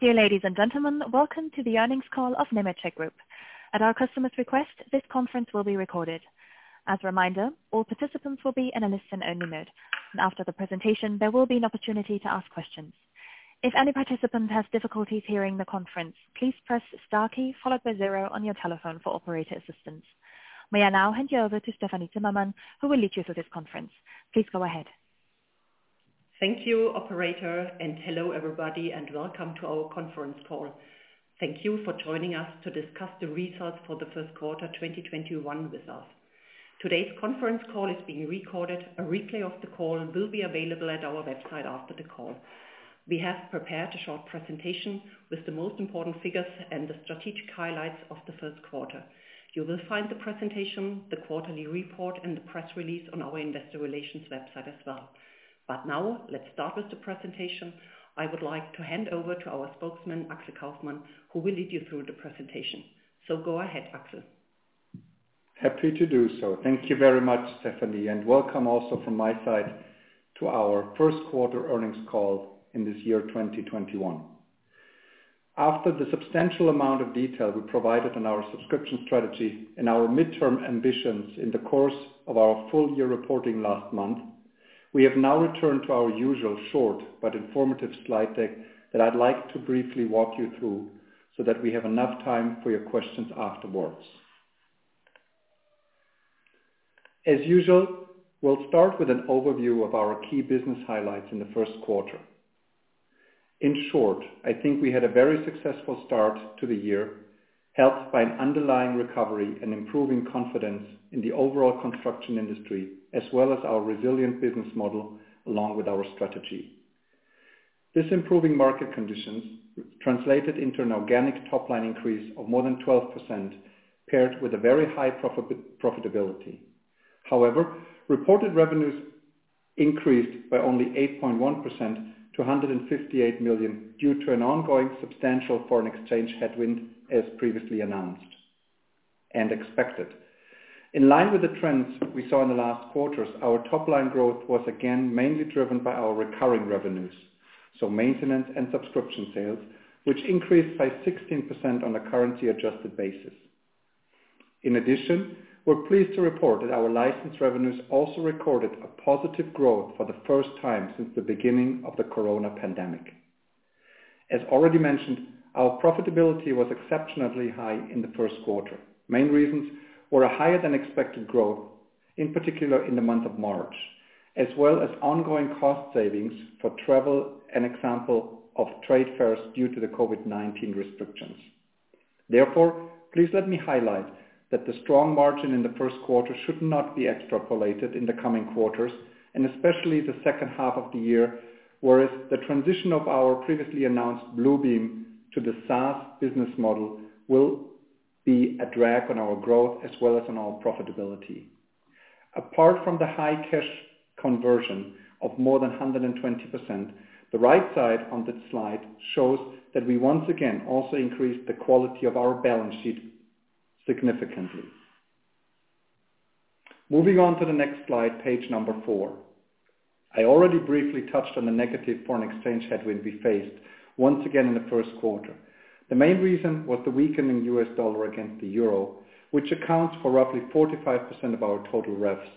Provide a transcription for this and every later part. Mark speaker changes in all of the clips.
Speaker 1: Dear ladies and gentlemen, welcome to the earnings call of Nemetschek Group. At our customer's request, this conference will be recorded. As a reminder, all participants will be in a listen-only mode, and after the presentation, there will be an opportunity to ask questions. If any participant has difficulties hearing the conference, please press star key followed by zero on your telephone for operator assistance. May I now hand you over to Stefanie Zimmermann, who will lead you through this conference. Please go ahead.
Speaker 2: Thank you, operator. Hello everybody, and welcome to our conference call. Thank you for joining us to discuss the results for the first quarter 2021 with us. Today's conference call is being recorded. A replay of the call will be available at our website after the call. We have prepared a short presentation with the most important figures and the strategic highlights of the first quarter. You will find the presentation, the quarterly report, and the press release on our investor relations website as well. Now, let's start with the presentation. I would like to hand over to our Spokesman, Axel Kaufmann, who will lead you through the presentation. Go ahead, Axel.
Speaker 3: Happy to do so. Thank you very much, Stefanie, and welcome also from my side to our first quarter earnings call in this year 2021. After the substantial amount of detail we provided on our subscription strategy and our midterm ambitions in the course of our full-year reporting last month, we have now returned to our usual short but informative slide deck that I'd like to briefly walk you through so that we have enough time for your questions afterwards. As usual, we'll start with an overview of our key business highlights in the first quarter. In short, I think we had a very successful start to the year, helped by an underlying recovery and improving confidence in the overall construction industry as well as our resilient business model along with our strategy. This improving market conditions translated into an organic top-line increase of more than 12%, paired with a very high profitability. However, reported revenues increased by only 8.1% to 158 million due to an ongoing substantial foreign exchange headwind, as previously announced and expected. In line with the trends we saw in the last quarters, our top-line growth was again mainly driven by our recurring revenues, so maintenance and subscription sales, which increased by 16% on a currency adjusted basis. In addition, we're pleased to report that our license revenues also recorded a positive growth for the first time since the beginning of the COVID-19 pandemic. As already mentioned, our profitability was exceptionally high in the first quarter. Main reasons were a higher than expected growth, in particular in the month of March, as well as ongoing cost savings for travel, an example of trade fairs due to the COVID-19 restrictions. Therefore, please let me highlight that the strong margin in the first quarter should not be extrapolated in the coming quarters, and especially the second half of the year, whereas the transition of our previously announced Bluebeam to the SaaS business model will be a drag on our growth as well as on our profitability. Apart from the high cash conversion of more than 120%, the right side on this slide shows that we once again also increased the quality of our balance sheet significantly. Moving on to the next slide, page number four. I already briefly touched on the negative foreign exchange headwind we faced once again in the first quarter. The main reason was the weakening U.S. dollar against the EUR, which accounts for roughly 45% of our total revs.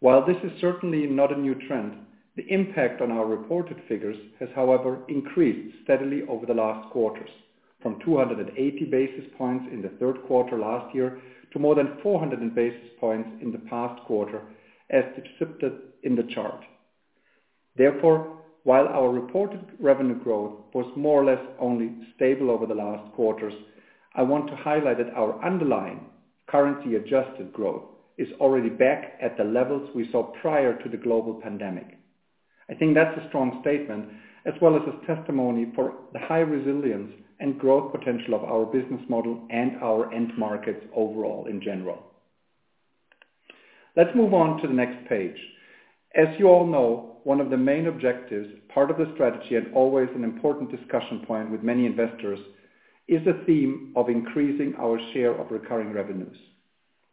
Speaker 3: While this is certainly not a new trend, the impact on our reported figures has, however, increased steadily over the last quarters, from 280 basis points in the third quarter last year to more than 400 basis points in the past quarter, as depicted in the chart. While our reported revenue growth was more or less only stable over the last quarters, I want to highlight that our underlying currency adjusted growth is already back at the levels we saw prior to the global pandemic. I think that's a strong statement as well as a testimony for the high resilience and growth potential of our business model and our end markets overall in general. Let's move on to the next page. As you all know, one of the main objectives, part of the strategy, and always an important discussion point with many investors is the theme of increasing our share of recurring revenues.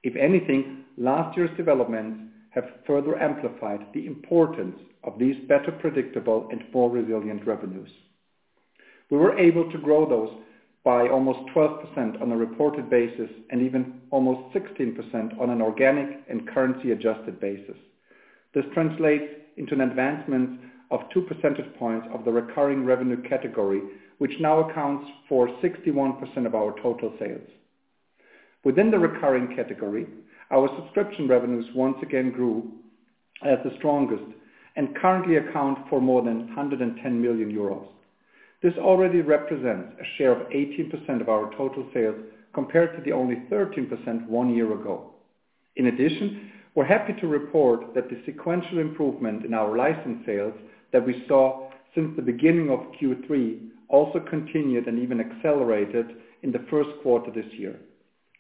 Speaker 3: If anything, last year's developments have further amplified the importance of these better predictable and more resilient revenues. We were able to grow those by almost 12% on a reported basis and even almost 16% on an organic and currency adjusted basis. This translates into an advancement of two percentage points of the recurring revenue category, which now accounts for 61% of our total sales. Within the recurring category, our subscription revenues once again grew as the strongest and currently account for more than 110 million euros. This already represents a share of 18% of our total sales compared to the only 13% one year ago. In addition, we're happy to report that the sequential improvement in our license sales that we saw since the beginning of Q3 also continued and even accelerated in the first quarter this year.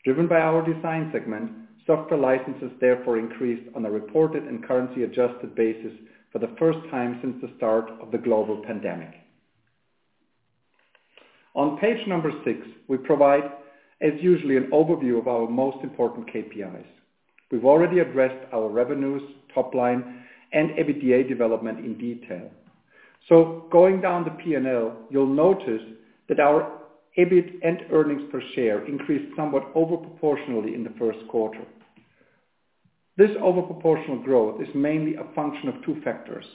Speaker 3: Driven by our design segment, software licenses therefore increased on a reported and currency adjusted basis for the first time since the start of the global pandemic. On page number six, we provide, as usually, an overview of our most important KPIs. We've already addressed our revenues, top line, and EBITDA development in detail. Going down the P&L, you'll notice that our EBIT and earnings per share increased somewhat over proportionally in the first quarter. This over proportional growth is mainly a function of two factors.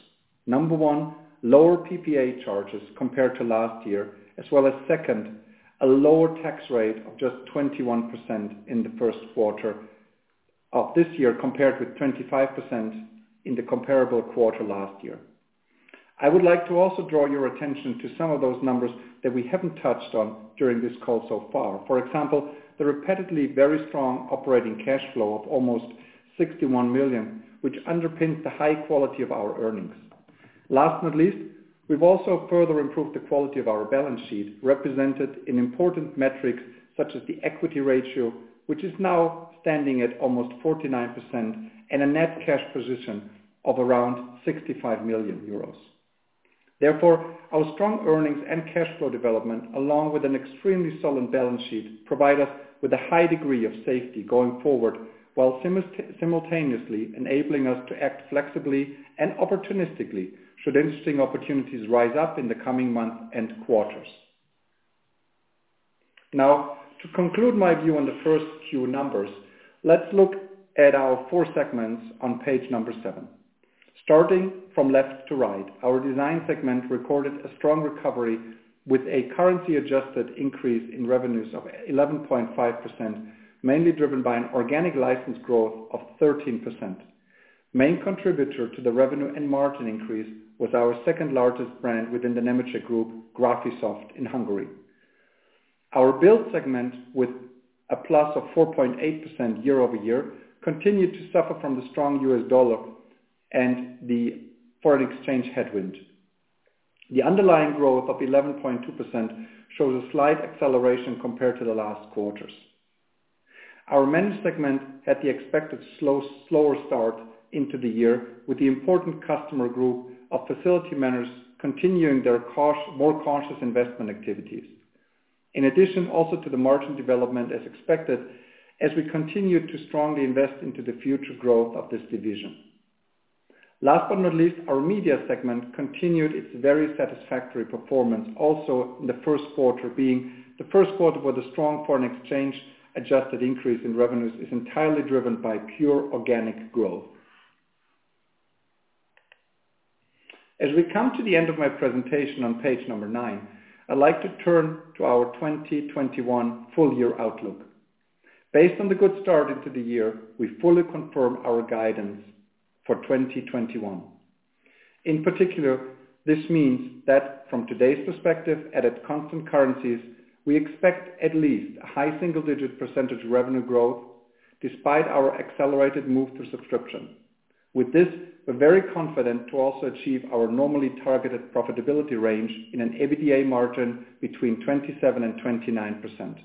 Speaker 3: Number one, lower PPA charges compared to last year, as well as second, a lower tax rate of just 21% in the first quarter of this year, compared with 25% in the comparable quarter last year. I would like to also draw your attention to some of those numbers that we haven't touched on during this call so far. For example, the repeatedly very strong operating cash flow of almost 61 million, which underpins the high quality of our earnings. Last but not least, we've also further improved the quality of our balance sheet, represented in important metrics such as the equity ratio, which is now standing at almost 49%, and a net cash position of around 65 million euros. Therefore, our strong earnings and cash flow development, along with an extremely solid balance sheet, provide us with a high degree of safety going forward, while simultaneously enabling us to act flexibly and opportunistically should interesting opportunities rise up in the coming months and quarters. To conclude my view on the first Q numbers, let's look at our four segments on page number seven. Starting from left to right, our design segment recorded a strong recovery with a currency adjusted increase in revenues of 11.5%, mainly driven by an organic license growth of 13%. Main contributor to the revenue and margin increase was our second largest brand within the Nemetschek Group, Graphisoft, in Hungary. Our build segment, with a plus of 4.8% year-over-year, continued to suffer from the strong U.S. dollar and the foreign exchange headwind. The underlying growth of 11.2% shows a slight acceleration compared to the last quarters. Our Manage segment had the expected slower start into the year, with the important customer group of facility managers continuing their more cautious investment activities. In addition, also to the margin development as expected as we continue to strongly invest into the future growth of this division. Last but not least, our Media segment continued its very satisfactory performance also in the first quarter, being the first quarter with a strong foreign exchange adjusted increase in revenues is entirely driven by pure organic growth. As we come to the end of my presentation on page number 9, I'd like to turn to our 2021 full year outlook. Based on the good start into the year, we fully confirm our guidance for 2021. In particular, this means that from today's perspective, at constant currencies, we expect at least a high single-digit percentage revenue growth, despite our accelerated move to subscription. With this, we're very confident to also achieve our normally targeted profitability range in an EBITDA margin between 27% and 29%.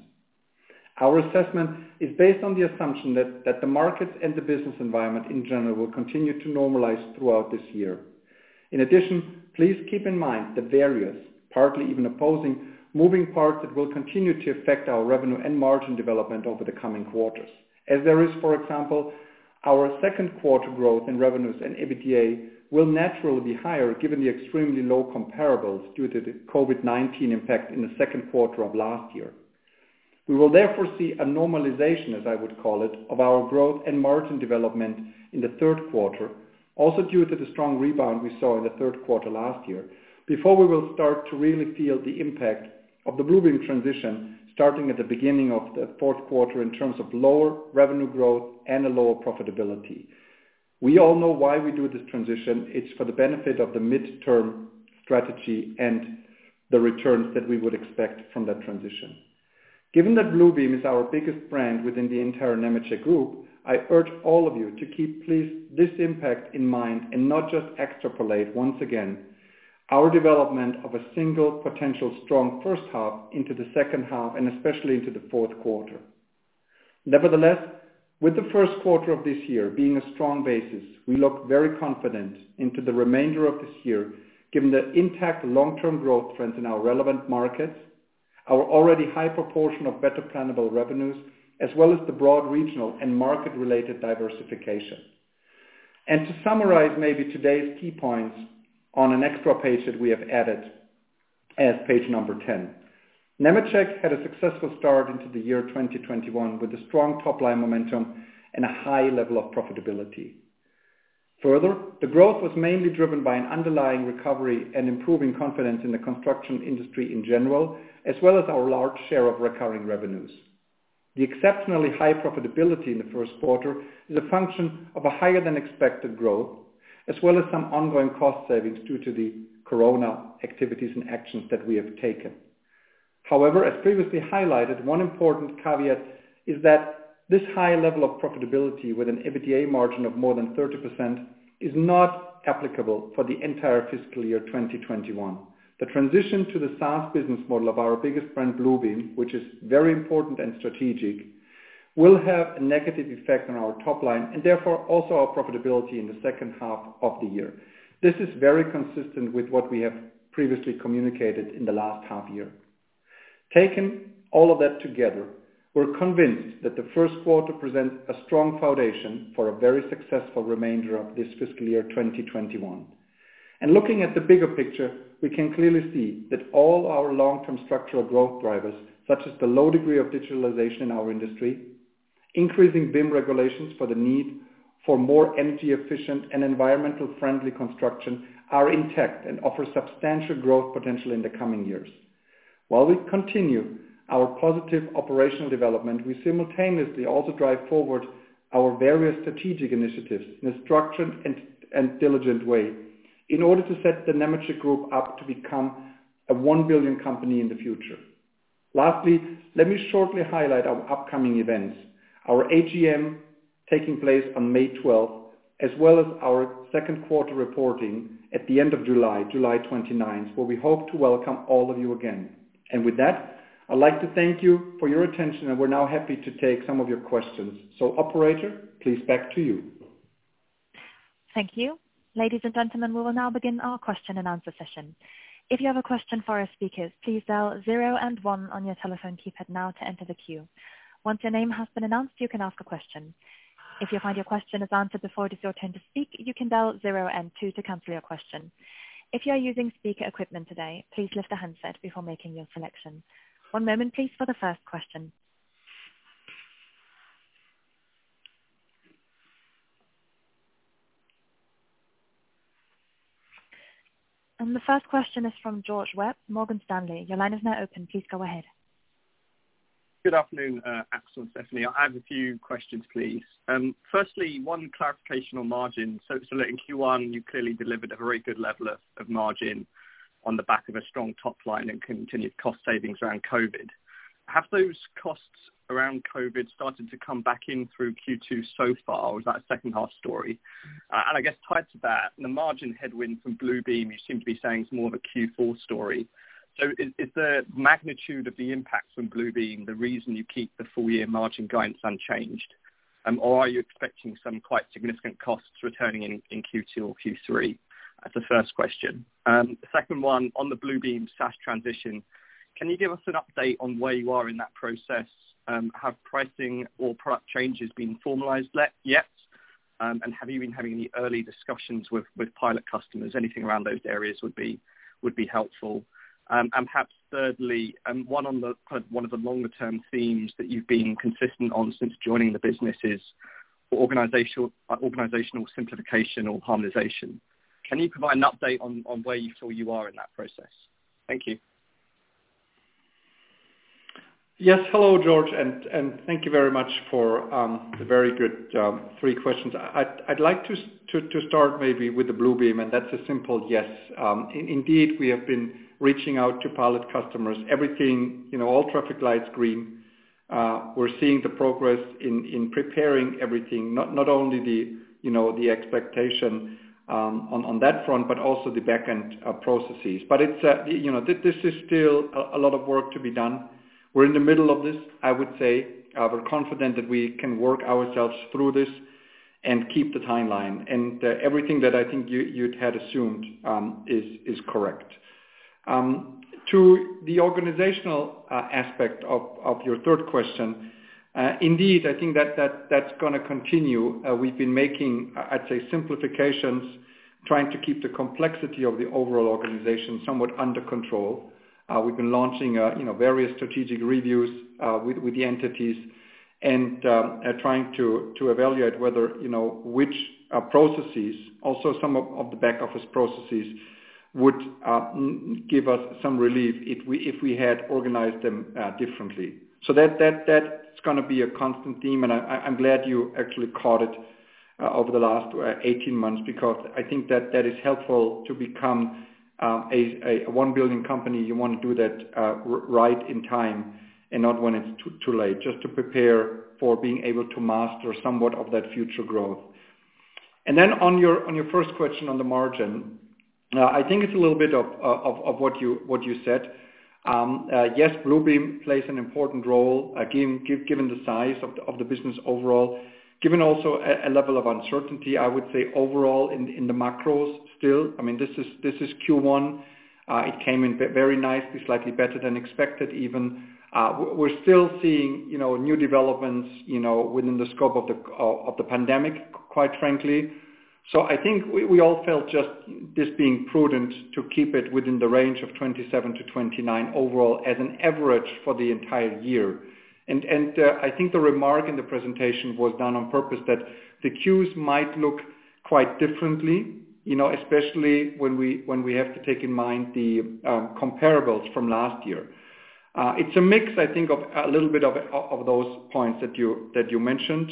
Speaker 3: Our assessment is based on the assumption that the markets and the business environment in general will continue to normalize throughout this year. In addition, please keep in mind the various, partly even opposing, moving parts that will continue to affect our revenue and margin development over the coming quarters. For example, our second quarter growth in revenues and EBITDA will naturally be higher given the extremely low comparables due to the COVID-19 impact in the second quarter of last year. We will therefore see a normalization, as I would call it, of our growth and margin development in the third quarter, also due to the strong rebound we saw in the third quarter last year. Before we will start to really feel the impact of the Bluebeam transition, starting at the beginning of the fourth quarter in terms of lower revenue growth and a lower profitability. We all know why we do this transition. It's for the benefit of the midterm strategy and the returns that we would expect from that transition. Given that Bluebeam is our biggest brand within the entire Nemetschek Group, I urge all of you to keep, please, this impact in mind and not just extrapolate, once again, our development of a single potential strong first half into the second half, and especially into the fourth quarter. Nevertheless, with the first quarter of this year being a strong basis, we look very confident into the remainder of this year given the intact long-term growth trend in our relevant markets, our already high proportion of better planable revenues, as well as the broad regional and market-related diversification. To summarize maybe today's key points on an extra page that we have added as page number 10. Nemetschek had a successful start into the year 2021 with a strong top-line momentum and a high level of profitability. The growth was mainly driven by an underlying recovery and improving confidence in the construction industry in general, as well as our large share of recurring revenues. The exceptionally high profitability in the first quarter is a function of a higher than expected growth, as well as some ongoing cost savings due to the Corona activities and actions that we have taken. However, as previously highlighted, one important caveat is that this high level of profitability with an EBITDA margin of more than 30% is not applicable for the entire fiscal year 2021. The transition to the SaaS business model of our biggest brand, Bluebeam, which is very important and strategic, will have a negative effect on our top line and therefore also our profitability in the second half of the year. This is very consistent with what we have previously communicated in the last half year. Taken all of that together, we're convinced that the first quarter presents a strong foundation for a very successful remainder of this fiscal year 2021. Looking at the bigger picture, we can clearly see that all our long-term structural growth drivers, such as the low degree of digitalization in our industry, increasing BIM regulations for the need for more energy efficient and environmental friendly construction, are intact and offer substantial growth potential in the coming years. While we continue our positive operational development, we simultaneously also drive forward our various strategic initiatives in a structured and diligent way in order to set the Nemetschek Group up to become a one billion company in the future. Lastly, let me shortly highlight our upcoming events, our AGM taking place on May 12th, as well as our second quarter reporting at the end of July 29th, where we hope to welcome all of you again. With that, I'd like to thank you for your attention, and we are now happy to take some of your questions. Operator, please back to you.
Speaker 1: Thank you. Ladies and gentlemen, we will now begin our question and answer session. If you have a question for our speakers, please dial zero and one on your telephone keypad now to enter the queue. Once your name has been announced, you can ask a question. If you find your question is answered before it is your turn to speak, you can dial zero and two to cancel your question. If you are using speaker equipment today, please lift the handset before making your selection. One moment, please, for the first question. The first question is from George Webb, Morgan Stanley. Your line is now open. Please go ahead.
Speaker 4: Good afternoon, Axel and Stefanie. I have a few questions, please. Firstly, one clarification on margin. Look, in Q1, you clearly delivered a very good level of margin on the back of a strong top line and continued cost savings around COVID. Have those costs around COVID started to come back in through Q2 so far, or is that a second half story? I guess tied to that, the margin headwind from Bluebeam, you seem to be saying it's more of a Q4 story. Is the magnitude of the impact from Bluebeam the reason you keep the full year margin guidance unchanged? Are you expecting some quite significant costs returning in Q2 or Q3? That's the first question. The second one on the Bluebeam SaaS transition, can you give us an update on where you are in that process? Have pricing or product changes been formalized yet? Have you been having any early discussions with pilot customers? Anything around those areas would be helpful. Perhaps thirdly, one of the longer term themes that you've been consistent on since joining the business is organizational simplification or harmonization. Can you provide an update on where you feel you are in that process? Thank you.
Speaker 3: Hello, George, thank you very much for the very good three questions. I'd like to start maybe with the Bluebeam, that's a simple yes. Indeed, we have been reaching out to pilot customers, everything, all traffic lights green. We're seeing the progress in preparing everything, not only the expectation on that front, but also the back-end processes. This is still a lot of work to be done. We're in the middle of this, I would say. We're confident that we can work ourselves through this and keep the timeline, everything that I think you had assumed is correct. To the organizational aspect of your third question, indeed, I think that's going to continue. We've been making, I'd say, simplifications, trying to keep the complexity of the overall organization somewhat under control. We've been launching various strategic reviews with the entities and trying to evaluate whether which processes, also some of the back office processes, would give us some relief if we had organized them differently. That's going to be a constant theme, and I'm glad you actually caught it over the last 18 months, because I think that is helpful to become a 1 billion company. You want to do that right in time and not when it's too late, just to prepare for being able to master somewhat of that future growth. On your first question on the margin, I think it's a little bit of what you said. Yes, Bluebeam plays an important role, again, given the size of the business overall. Given also a level of uncertainty, I would say overall in the macros still, this is Q1. It came in very nicely, slightly better than expected even. We are still seeing new developments within the scope of the pandemic, quite frankly. I think we all felt just this being prudent to keep it within the range of 27-29 overall as an average for the entire year. I think the remark in the presentation was done on purpose that the Q's might look quite differently, especially when we have to take in mind the comparables from last year. It's a mix, I think, of a little bit of those points that you mentioned.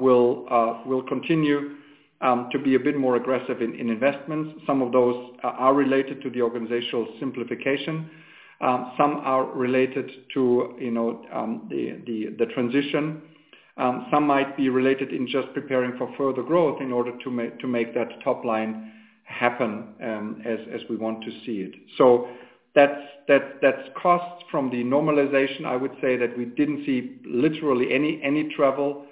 Speaker 3: We will continue to be a bit more aggressive in investments. Some of those are related to the organizational simplification. Some are related to the transition. Some might be related in just preparing for further growth in order to make that top line happen as we want to see it. That's costs from the normalization, I would say, that we didn't see literally any trouble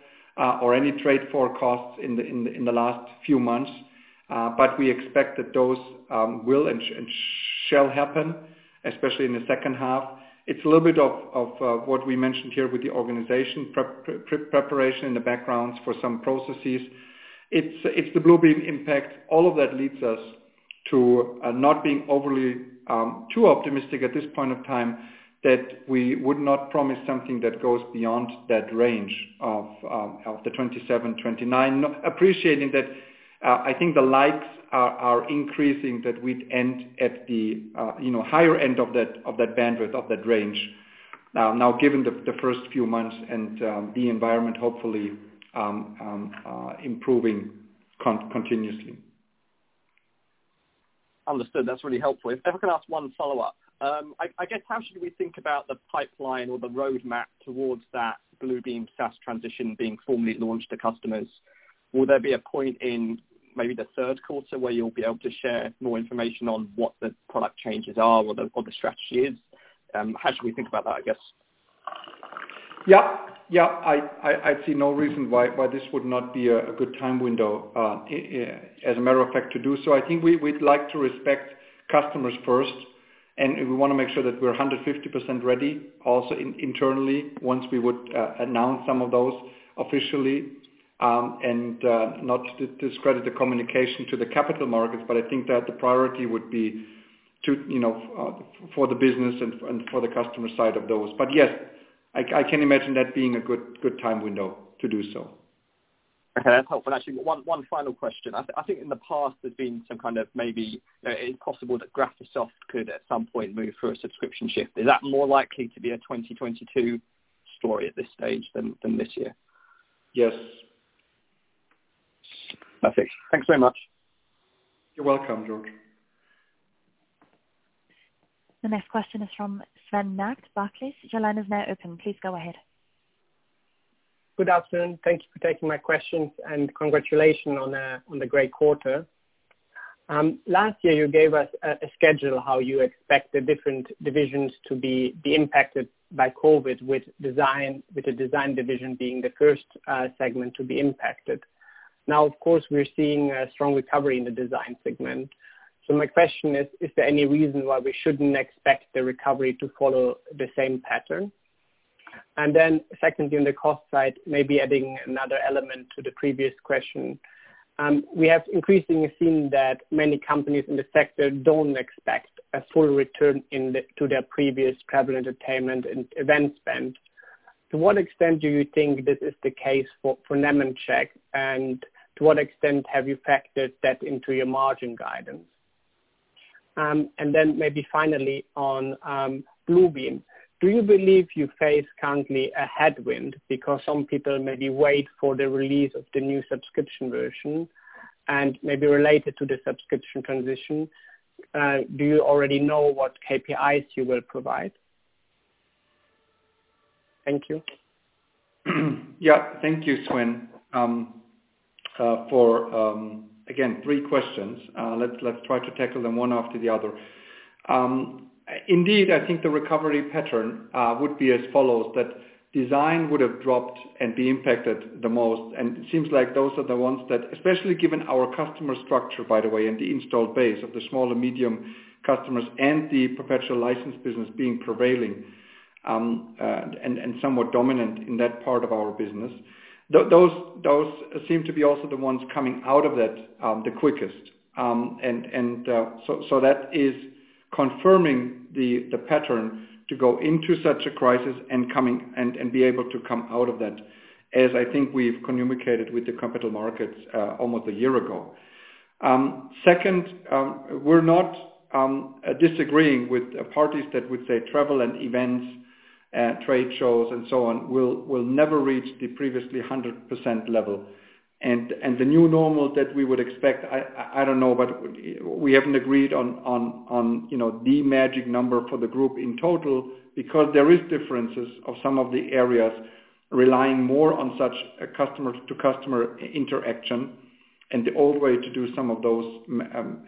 Speaker 3: or any trend for costs in the last few months. But we expect that those will and shall happen, especially in the second half. It's a little bit of what we mentioned here with the organization preparation in the backgrounds for some processes. It's the Bluebeam impact. All of that leads us to not being overly too optimistic at this point in time that we would not promise something that goes beyond that range of the 27%-29%. Appreciating that, I think the likes are increasing, that we'd end at the higher end of that bandwidth, of that range. Given the first few months and the environment hopefully improving continuously.
Speaker 4: Understood. That's really helpful. If I could ask one follow-up. I guess, how should we think about the pipeline or the roadmap towards that Bluebeam SaaS transition being formally launched to customers? Will there be a point in maybe the third quarter where you'll be able to share more information on what the product changes are or the strategy is? How should we think about that, I guess?
Speaker 3: Yeah. I see no reason why this would not be a good time window, as a matter of fact, to do so. I think we'd like to respect customers first, and we want to make sure that we're 150% ready also internally, once we would announce some of those officially. Not to discredit the communication to the capital markets, but I think that the priority would be for the business and for the customer side of those. Yes, I can imagine that being a good time window to do so.
Speaker 4: Okay. That's helpful. Actually, one final question. I think in the past, there's been some kind of, maybe it's possible that Graphisoft could at some point move for a subscription shift. Is that more likely to be a 2022 story at this stage than this year?
Speaker 3: Yes.
Speaker 4: Perfect. Thanks very much.
Speaker 3: You're welcome, George.
Speaker 1: The next question is from Sven Merkt, Barclays. Your line is now open. Please go ahead.
Speaker 5: Good afternoon. Thank you for taking my questions, and congratulations on the great quarter. Last year, you gave us a schedule how you expect the different divisions to be impacted by COVID-19, with the design division being the first segment to be impacted. Of course, we're seeing a strong recovery in the design segment. My question is there any reason why we shouldn't expect the recovery to follow the same pattern? Secondly, on the cost side, maybe adding another element to the previous question. We have increasingly seen that many companies in the sector don't expect a full return to their previous travel, entertainment, and event spend. To what extent do you think this is the case for Nemetschek, and to what extent have you factored that into your margin guidance? Finally on Bluebeam, do you believe you face currently a headwind because some people maybe wait for the release of the new subscription version? Related to the subscription transition, do you already know what KPIs you will provide? Thank you.
Speaker 3: Thank you, Sven, for again, three questions. Let's try to tackle them one after the other. Indeed, I think the recovery pattern would be as follows, that design would have dropped and be impacted the most. It seems like those are the ones that, especially given our customer structure, by the way, and the installed base of the small and medium customers and the perpetual license business being prevailing, and somewhat dominant in that part of our business. Those seem to be also the ones coming out of that the quickest. That is confirming the pattern to go into such a crisis and be able to come out of that, as I think we've communicated with the capital markets almost a year ago. Second, we're not disagreeing with parties that would say travel and events, trade shows and so on, will never reach the previously 100% level. The new normal that we would expect, I don't know, but we haven't agreed on the magic number for the group in total because there is differences of some of the areas relying more on such customer-to-customer interaction and the old way to do some of those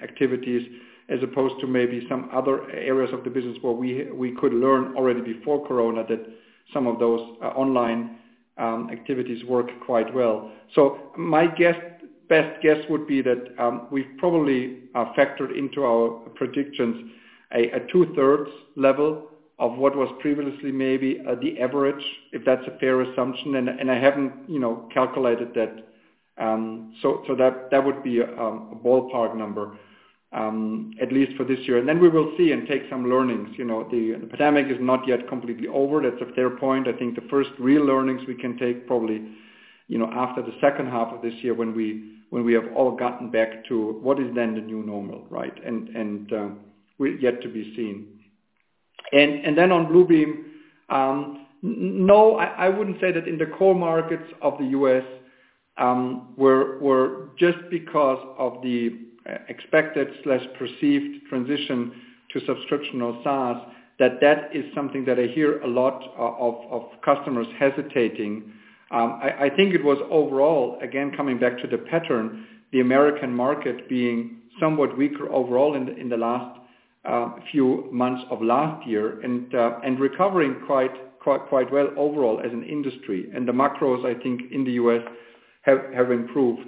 Speaker 3: activities, as opposed to maybe some other areas of the business where we could learn already before Corona that some of those online activities work quite well. My best guess would be that we've probably factored into our predictions a two-thirds level of what was previously maybe the average, if that's a fair assumption. I haven't calculated that. That would be a ballpark number, at least for this year. Then we will see and take some learnings. The pandemic is not yet completely over. That's a fair point. I think the first real learnings we can take probably after the second half of this year when we have all gotten back to what is then the new normal, right? Will yet to be seen. On Bluebeam, no, I wouldn't say that in the core markets of the U.S., where just because of the expected/perceived transition to subscription or SaaS, that that is something that I hear a lot of customers hesitating. I think it was overall, again, coming back to the pattern, the U.S. market being somewhat weaker overall in the last few months of last year and recovering quite well overall as an industry. The macros, I think, in the U.S. have improved.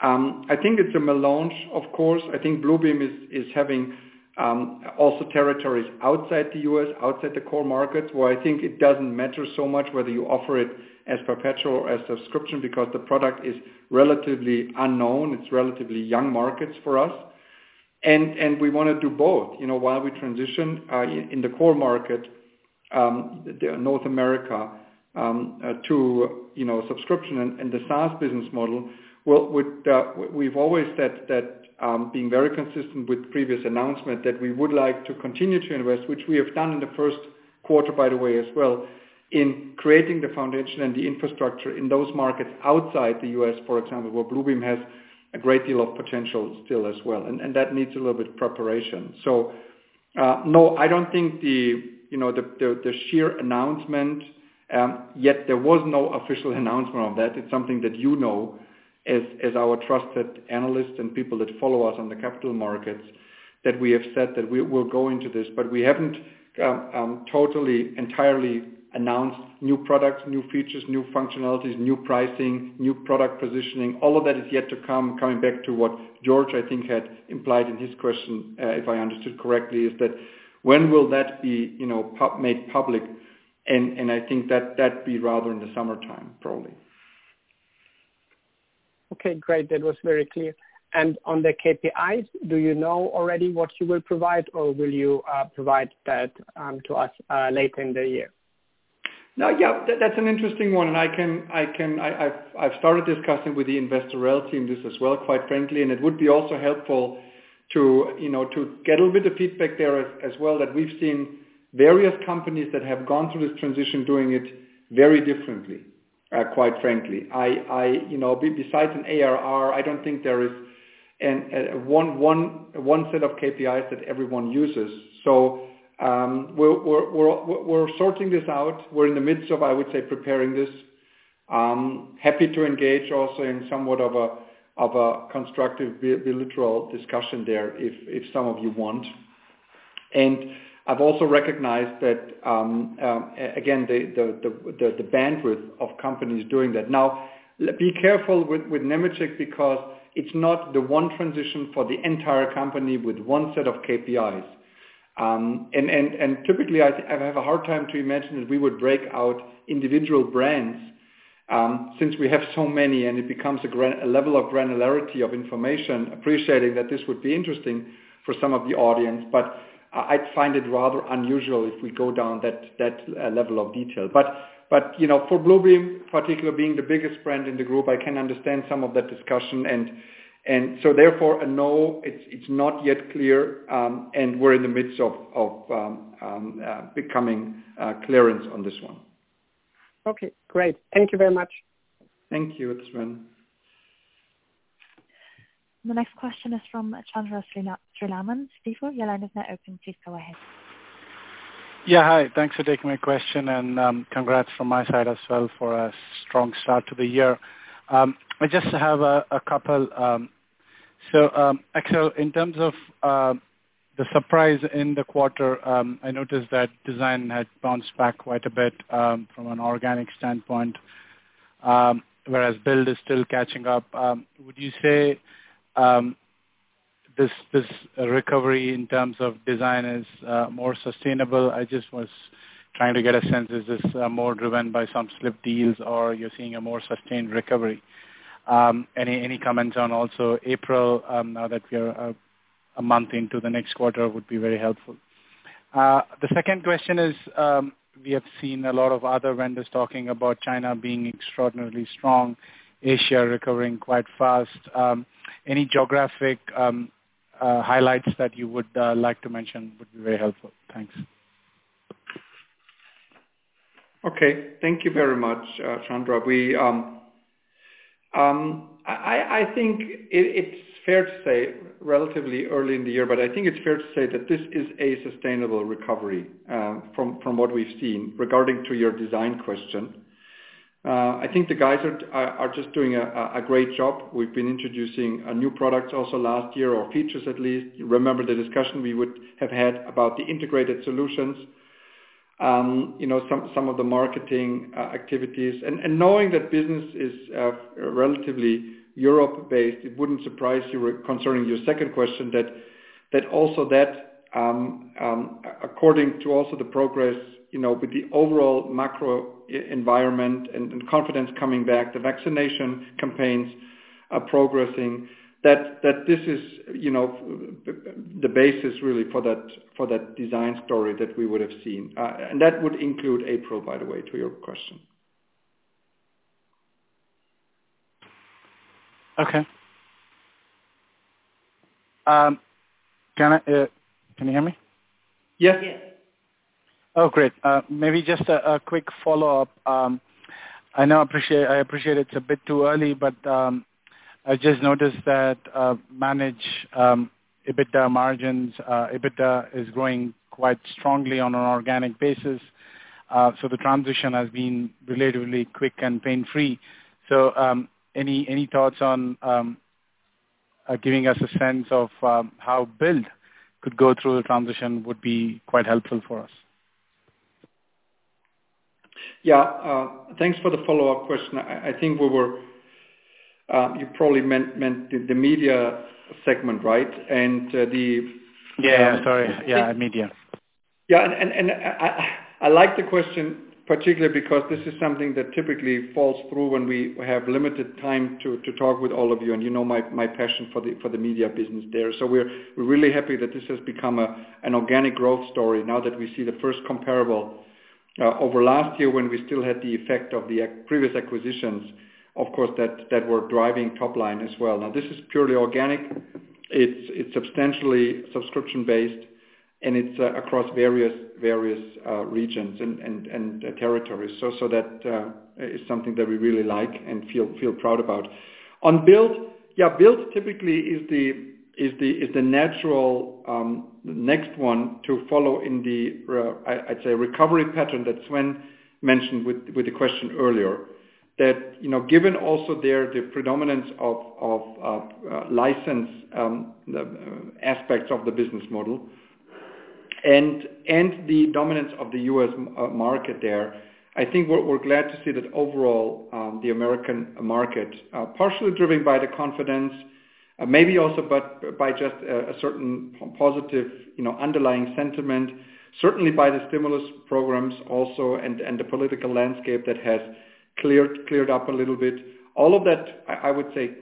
Speaker 3: I think it's a melange, of course. I think Bluebeam is having also territories outside the U.S., outside the core markets, where I think it doesn't matter so much whether you offer it as perpetual or as subscription, because the product is relatively unknown. It's relatively young markets for us. We want to do both. While we transition in the core market, North America, to subscription and the SaaS business model, we've always said that, being very consistent with previous announcement, that we would like to continue to invest, which we have done in the first quarter, by the way as well, in creating the foundation and the infrastructure in those markets outside the U.S., for example, where Bluebeam has a great deal of potential still as well. That needs a little bit of preparation. No, I don't think the sheer announcement, yet there was no official announcement on that. It's something that you know as our trusted analysts and people that follow us on the capital markets, that we have said that we're going to this. We haven't totally, entirely announced new products, new features, new functionalities, new pricing, new product positioning. All of that is yet to come. Coming back to what George, I think, had implied in his question, if I understood correctly, is that when will that be made public? I think that'd be rather in the summertime, probably.
Speaker 5: Okay, great. That was very clear. On the KPIs, do you know already what you will provide or will you provide that to us later in the year?
Speaker 3: Now, yeah, that's an interesting one. I've started discussing with the investor rel team this as well, quite frankly. It would be also helpful to get a little bit of feedback there as well, that we've seen various companies that have gone through this transition doing it very differently, quite frankly. Besides an ARR, I don't think there is one set of KPIs that everyone uses. We're sorting this out. We're in the midst of, I would say, preparing this. Happy to engage also in somewhat of a constructive bilateral discussion there if some of you want. I've also recognized that, again, the bandwidth of companies doing that. Now, be careful with Nemetschek because it's not the one transition for the entire company with one set of KPIs. Typically, I have a hard time to imagine that we would break out individual brands since we have so many and it becomes a level of granularity of information, appreciating that this would be interesting for some of the audience, but I'd find it rather unusual if we go down that level of detail. For Bluebeam particular being the biggest brand in the group, I can understand some of that discussion. Therefore, no, it's not yet clear, and we're in the midst of becoming clearance on this one.
Speaker 5: Okay, great. Thank you very much.
Speaker 3: Thank you, Sven.
Speaker 1: The next question is from Chandra Sriraman. Sir, your line is now open. Please go ahead.
Speaker 6: Yeah. Hi. Thanks for taking my question and congrats from my side as well for a strong start to the year. I just have a couple. Axel, in terms of the surprise in the quarter, I noticed that Design had bounced back quite a bit from an organic standpoint, whereas Build is still catching up. Would you say this recovery in terms of Design is more sustainable? I just was trying to get a sense, is this more driven by some slipped deals or you're seeing a more sustained recovery? Any comments on also April, now that we are a month into the next quarter would be very helpful. The second question is, we have seen a lot of other vendors talking about China being extraordinarily strong, Asia recovering quite fast. Any geographic highlights that you would like to mention would be very helpful. Thanks.
Speaker 3: Okay. Thank you very much, Chandra. I think it's fair to say, relatively early in the year, but I think it's fair to say that this is a sustainable recovery from what we've seen regarding to your design question. I think the guys are just doing a great job. We've been introducing new products also last year, or features at least. Remember the discussion we would have had about the integrated solutions, some of the marketing activities. Knowing that business is relatively Europe-based, it wouldn't surprise you concerning your second question, that also that according to also the progress with the overall macro environment and confidence coming back, the vaccination campaigns are progressing, that this is the basis really for that design story that we would have seen. That would include April, by the way, to your question.
Speaker 6: Okay. Can you hear me?
Speaker 3: Yes.
Speaker 6: Oh, great. Maybe just a quick follow-up. I know I appreciate it's a bit too early, but I just noticed that manage EBITDA margins, EBITDA is growing quite strongly on an organic basis. The transition has been relatively quick and pain-free. Any thoughts on giving us a sense of how build could go through the transition would be quite helpful for us.
Speaker 3: Yeah. Thanks for the follow-up question. I think you probably meant the media segment, right?
Speaker 6: Yeah, sorry. Yeah, media
Speaker 3: I like the question, particularly because this is something that typically falls through when we have limited time to talk with all of you and you know my passion for the media business there. We're really happy that this has become an organic growth story now that we see the first comparable, over last year when we still had the effect of the previous acquisitions, of course, that were driving top-line as well. Now this is purely organic. It's substantially subscription-based, and it's across various regions and territories. That is something that we really like and feel proud about. On build. Build typically is the natural next one to follow in the, I'd say, recovery pattern that Sven mentioned with the question earlier. That, given also there the predominance of license aspects of the business model and the dominance of the U.S. market there, I think what we're glad to see that overall, the American market, partially driven by the confidence, maybe also by just a certain positive underlying sentiment, certainly by the stimulus programs also and the political landscape that has cleared up a little bit. All of that, I would say,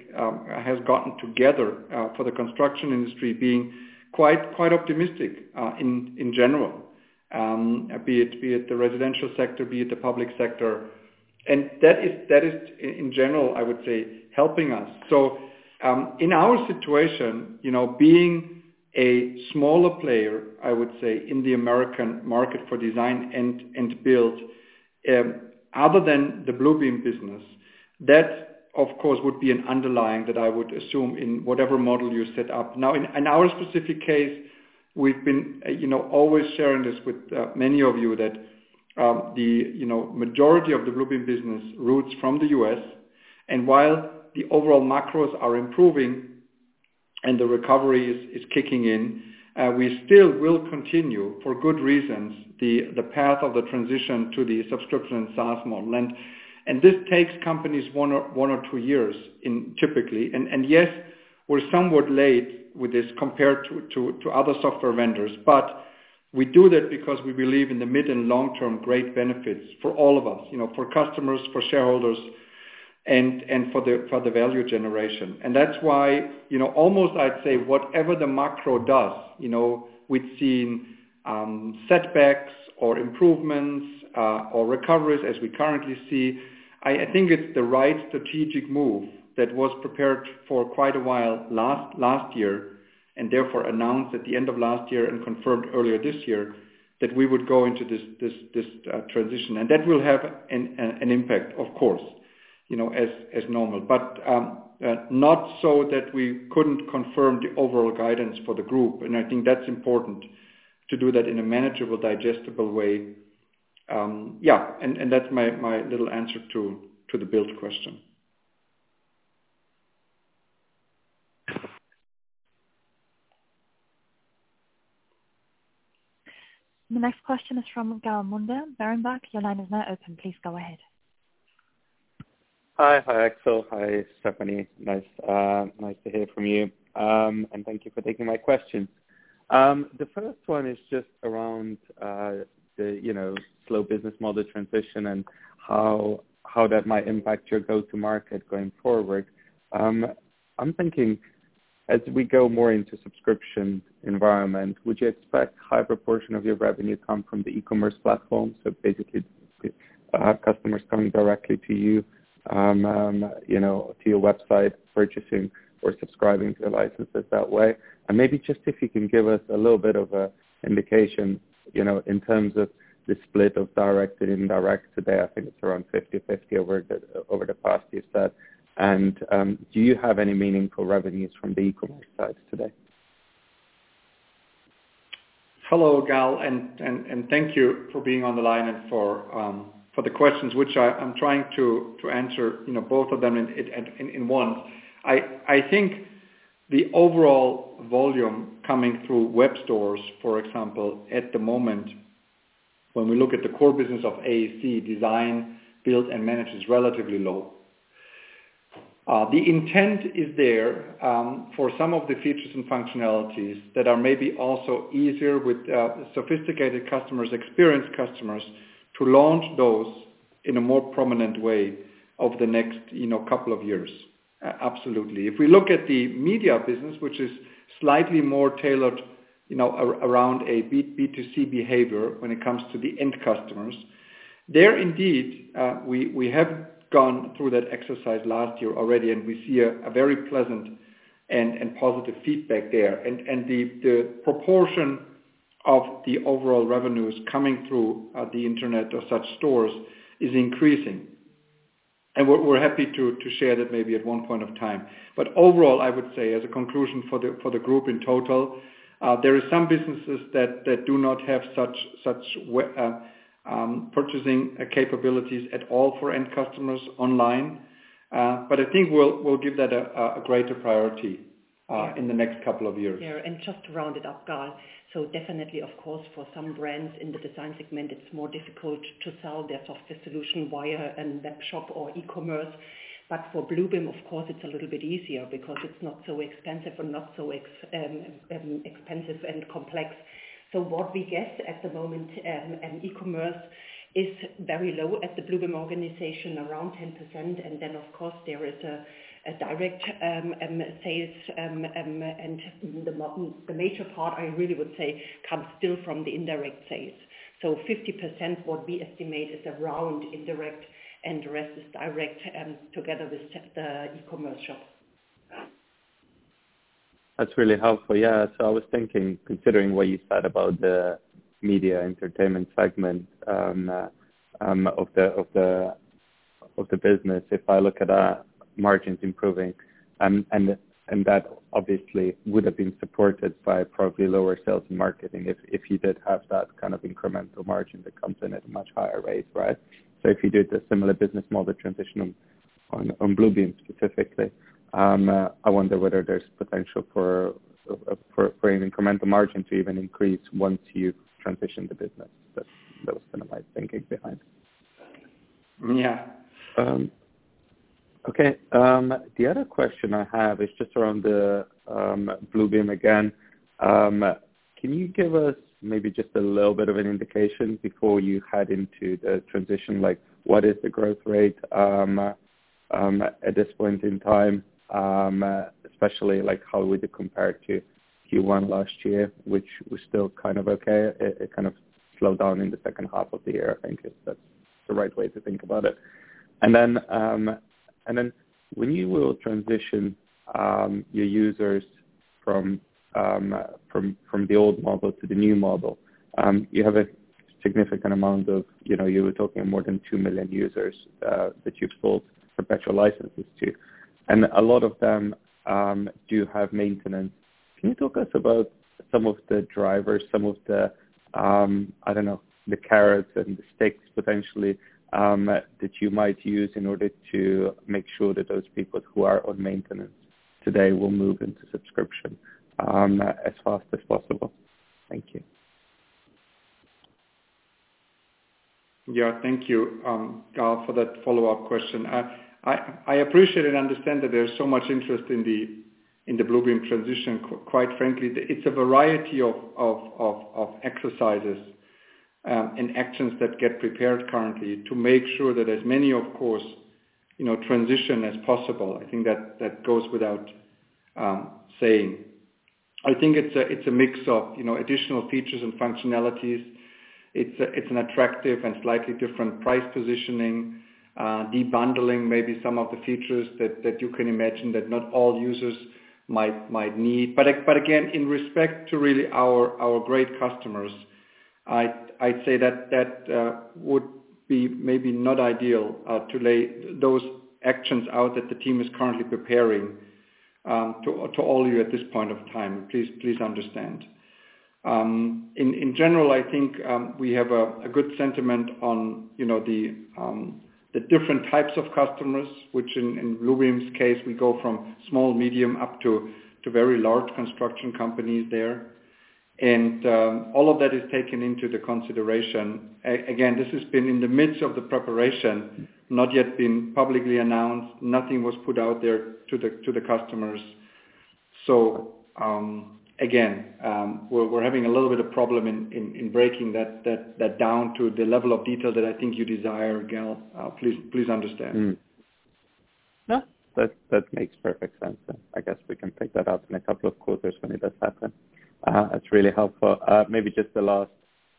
Speaker 3: has gotten together, for the construction industry, being quite optimistic, in general, be it the residential sector, be it the public sector. That is in general, I would say, helping us. In our situation, being a smaller player, I would say, in the American market for design and build, other than the Bluebeam business, that, of course, would be an underlying that I would assume in whatever model you set up. In our specific case, we've been always sharing this with many of you, that the majority of the Bluebeam business roots from the U.S., and while the overall macros are improving and the recovery is kicking in, we still will continue, for good reasons, the path of the transition to the subscription SaaS model. This takes companies one or two years typically. Yes, we're somewhat late with this compared to other software vendors, but we do that because we believe in the mid and long-term great benefits for all of us, for customers, for shareholders and for the value generation. That's why, almost I'd say, whatever the macro does, we've seen setbacks or improvements, or recoveries as we currently see. I think it's the right strategic move that was prepared for quite a while last year, therefore announced at the end of last year and confirmed earlier this year that we would go into this transition. That will have an impact, of course, as normal. Not so that we couldn't confirm the overall guidance for the group, and I think that's important to do that in a manageable, digestible way. Yeah. That's my little answer to the build question.
Speaker 1: The next question is from Gal Munda, Berenberg. Your line is now open. Please go ahead.
Speaker 7: Hi, Axel. Hi, Stefanie. Nice to hear from you. Thank you for taking my question. The first one is just around the slow business model transition and how that might impact your go-to market going forward. I'm thinking as we go more into subscription environment, would you expect high proportion of your revenue come from the e-commerce platform? Basically have customers coming directly to you, to your website, purchasing or subscribing to licenses that way? Maybe just if you can give us a little bit of a indication, in terms of the split of direct to indirect today. I think it's around 50/50 over the past few stats. Do you have any meaningful revenues from the e-commerce side today?
Speaker 3: Hello, Gal, and thank you for being on the line and for the questions, which I'm trying to answer both of them in one. I think the overall volume coming through web stores, for example, at the moment when we look at the core business of AEC design, build and manage, is relatively low. The intent is there, for some of the features and functionalities that are maybe also easier with sophisticated customers, experienced customers, to launch those in a more prominent way over the next couple of years. Absolutely. If we look at the media business, which is slightly more tailored around a B2C behavior when it comes to the end customers. There, indeed, we have gone through that exercise last year already, and we see a very pleasant and positive feedback there. The proportion of the overall revenues coming through the internet or such stores is increasing. We're happy to share that maybe at one point of time. Overall, I would say, as a conclusion for the group in total, there are some businesses that do not have such purchasing capabilities at all for end customers online. I think we'll give that a greater priority in the next couple of years.
Speaker 2: Yeah. Just to round it up, Gal. Definitely, of course, for some brands in the design segment, it's more difficult to sell their software solution via a web shop or e-commerce. For Bluebeam, of course, it's a little bit easier because it's not so expensive and complex. What we guess at the moment, e-commerce is very low at the Bluebeam organization, around 10%. Of course, there is a direct sales, the major part, I really would say, comes still from the indirect sales. 50% what we estimate is around indirect, the rest is direct and together with the e-commerce shop.
Speaker 7: That's really helpful. Yeah. I was thinking, considering what you said about the Media & Entertainment segment of the business, if I look at margins improving, and that obviously would have been supported by probably lower sales and marketing if you did have that kind of incremental margin that comes in at a much higher rate, right? If you did a similar business model transition on Bluebeam specifically, I wonder whether there's potential for an incremental margin to even increase once you transition the business. That was my thinking behind it.
Speaker 3: Yeah.
Speaker 7: Okay. The other question I have is just around the Bluebeam again. Can you give us maybe just a little bit of an indication before you head into the transition, like what is the growth rate at this point in time? Especially how we do compare it to Q1 last year, which was still kind of okay. It kind of slowed down in the second half of the year. I think that's the right way to think about it. When you will transition your users from the old model to the new model, you have a significant amount of, you were talking more than 2 million users that you've sold perpetual licenses to. A lot of them do have maintenance. Can you talk us about some of the drivers, some of the, I don't know, the carrots and the sticks, potentially, that you might use in order to make sure that those people who are on maintenance today will move into subscription as fast as possible? Thank you.
Speaker 3: Yeah. Thank you, Gal, for that follow-up question. I appreciate and understand that there is so much interest in the Bluebeam transition. Quite frankly, it is a variety of exercises and actions that get prepared currently to make sure that as many, of course, transition as possible. I think that goes without saying. I think it is a mix of additional features and functionalities. It is an attractive and slightly different price positioning. De-bundling maybe some of the features that you can imagine that not all users might need. Again, in respect to really our great customers, I would say that would be maybe not ideal to lay those actions out that the team is currently preparing to all you at this point of time. Please understand. In general, I think we have a good sentiment on the different types of customers, which in Bluebeam's case, we go from small, medium, up to very large construction companies there. All of that is taken into the consideration. Again, this has been in the midst of the preparation, not yet been publicly announced. Nothing was put out there to the customers. Again, we're having a little bit of problem in breaking that down to the level of detail that I think you desire, Gal. Please understand.
Speaker 7: No, that makes perfect sense. I guess we can pick that up in a couple of quarters when it does happen. That's really helpful. Maybe just the last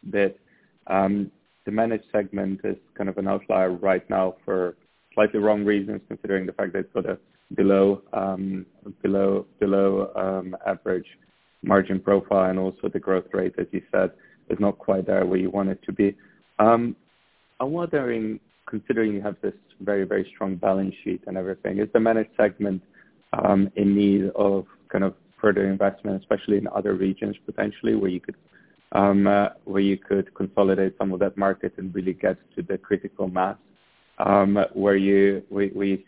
Speaker 7: bit. The Manage segment is an outlier right now for slightly the wrong reasons, considering the fact that it's got a below average margin profile and also the growth rate, as you said, is not quite there where you want it to be. I'm wondering, considering you have this very strong balance sheet and everything, is the Manage segment in need of further investment, especially in other regions, potentially, where you could consolidate some of that market and really get to the critical mass? Will you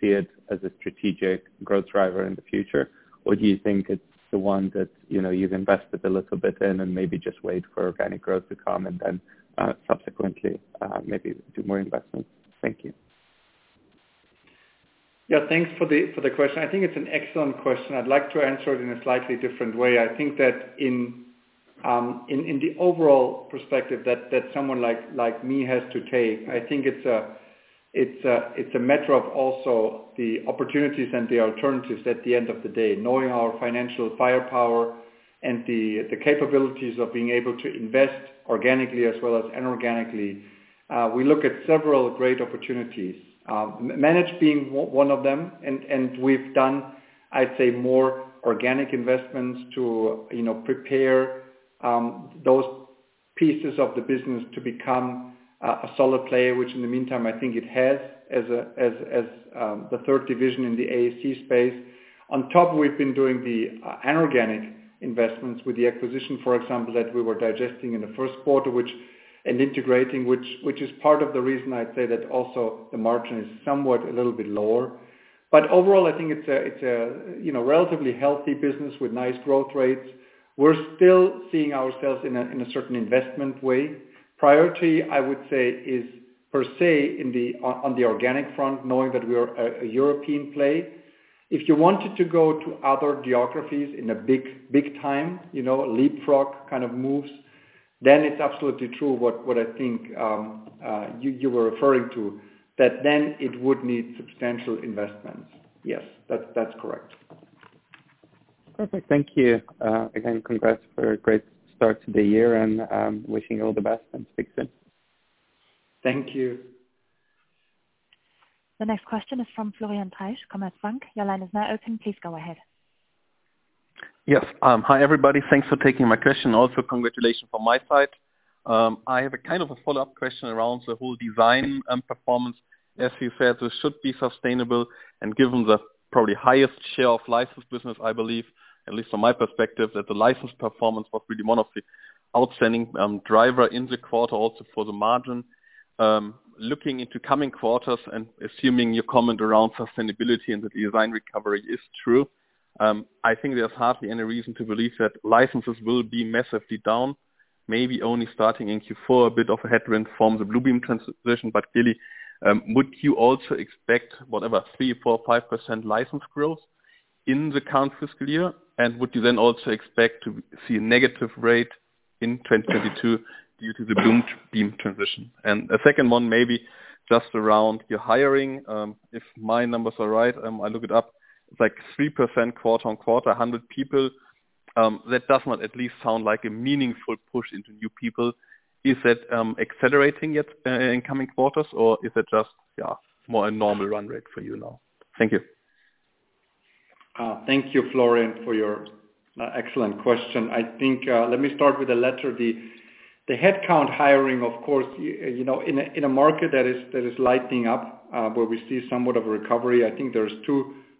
Speaker 7: see it as a strategic growth driver in the future? Do you think it's the one that you've invested a little bit in and maybe just wait for organic growth to come and then subsequently maybe do more investment? Thank you.
Speaker 3: Yeah, thanks for the question. I think it's an excellent question. I'd like to answer it in a slightly different way. I think that in the overall perspective that someone like me has to take, I think it's a matter of also the opportunities and the alternatives at the end of the day. Knowing our financial firepower and the capabilities of being able to invest organically as well as inorganically. We look at several great opportunities, Maxon being one of them, and we've done, I'd say, more organic investments to prepare those pieces of the business to become a solid player, which in the meantime, I think it has, as the third division in the AEC space. On top, we've been doing the inorganic investments with the acquisition, for example, that we were digesting in the first quarter, and integrating, which is part of the reason I say that also the margin is somewhat a little bit lower. Overall, I think it's a relatively healthy business with nice growth rates. We're still seeing ourselves in a certain investment way. Priority, I would say is, per se, on the organic front, knowing that we are a European play. If you wanted to go to other geographies in a big time, leapfrog kind of moves, then it's absolutely true what I think you were referring to, that then it would need substantial investments. Yes, that's correct.
Speaker 7: Perfect. Thank you. Again, congrats for a great start to the year and wishing you all the best, speak soon.
Speaker 3: Thank you.
Speaker 1: The next question is from Florian Treisch, Commerzbank. Your line is now open. Please go ahead.
Speaker 8: Yes. Hi, everybody. Thanks for taking my question. Also, congratulations from my side. I have a follow-up question around the whole design and performance. As you said, this should be sustainable and given the probably highest share of licensed business, I believe, at least from my perspective, that the license performance was really one of the outstanding driver in the quarter also for the margin. Looking into coming quarters and assuming your comment around sustainability and the design recovery is true, I think there's hardly any reason to believe that licenses will be massively down. Maybe only starting in Q4, a bit of a headwind from the Bluebeam transition. Really, would you also expect, whatever three, four, five % license growth in the current fiscal year? Would you then also expect to see a negative rate in 2022 due to the Bluebeam transition? A second one, maybe just around your hiring. If my numbers are right, I look it up, it's like 3% quarter-on-quarter, 100 people. That does not at least sound like a meaningful push into new people. Is it accelerating yet in coming quarters or is it just more a normal run rate for you now? Thank you.
Speaker 3: Thank you, Florian, for your excellent question. Let me start with the latter. The headcount hiring, of course, in a market that is lighting up, where we see somewhat of a recovery, I think there's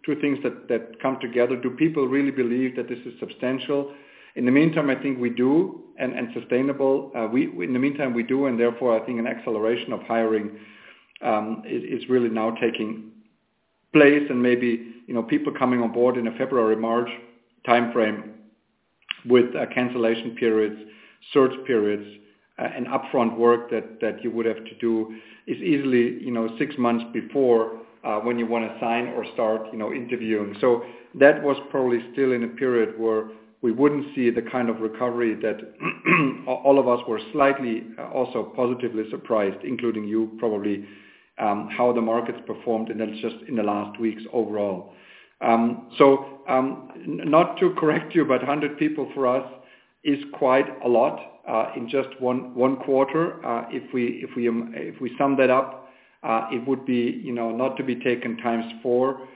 Speaker 3: two things that come together. Do people really believe that this is substantial? In the meantime, I think we do, and sustainable. In the meantime, we do. Therefore, I think an acceleration of hiring is really now taking place and maybe, people coming on board in a February, March timeframe with cancellation periods, search periods, and upfront work that you would have to do is easily six months before, when you want to sign or start interviewing. That was probably still in a period where we wouldn't see the kind of recovery that all of us were slightly also positively surprised, including you, probably, how the market's performed, and that's just in the last weeks overall. Not to correct you, but 100 people for us is quite a lot, in just one quarter. If we sum that up, it would be not to be taken times four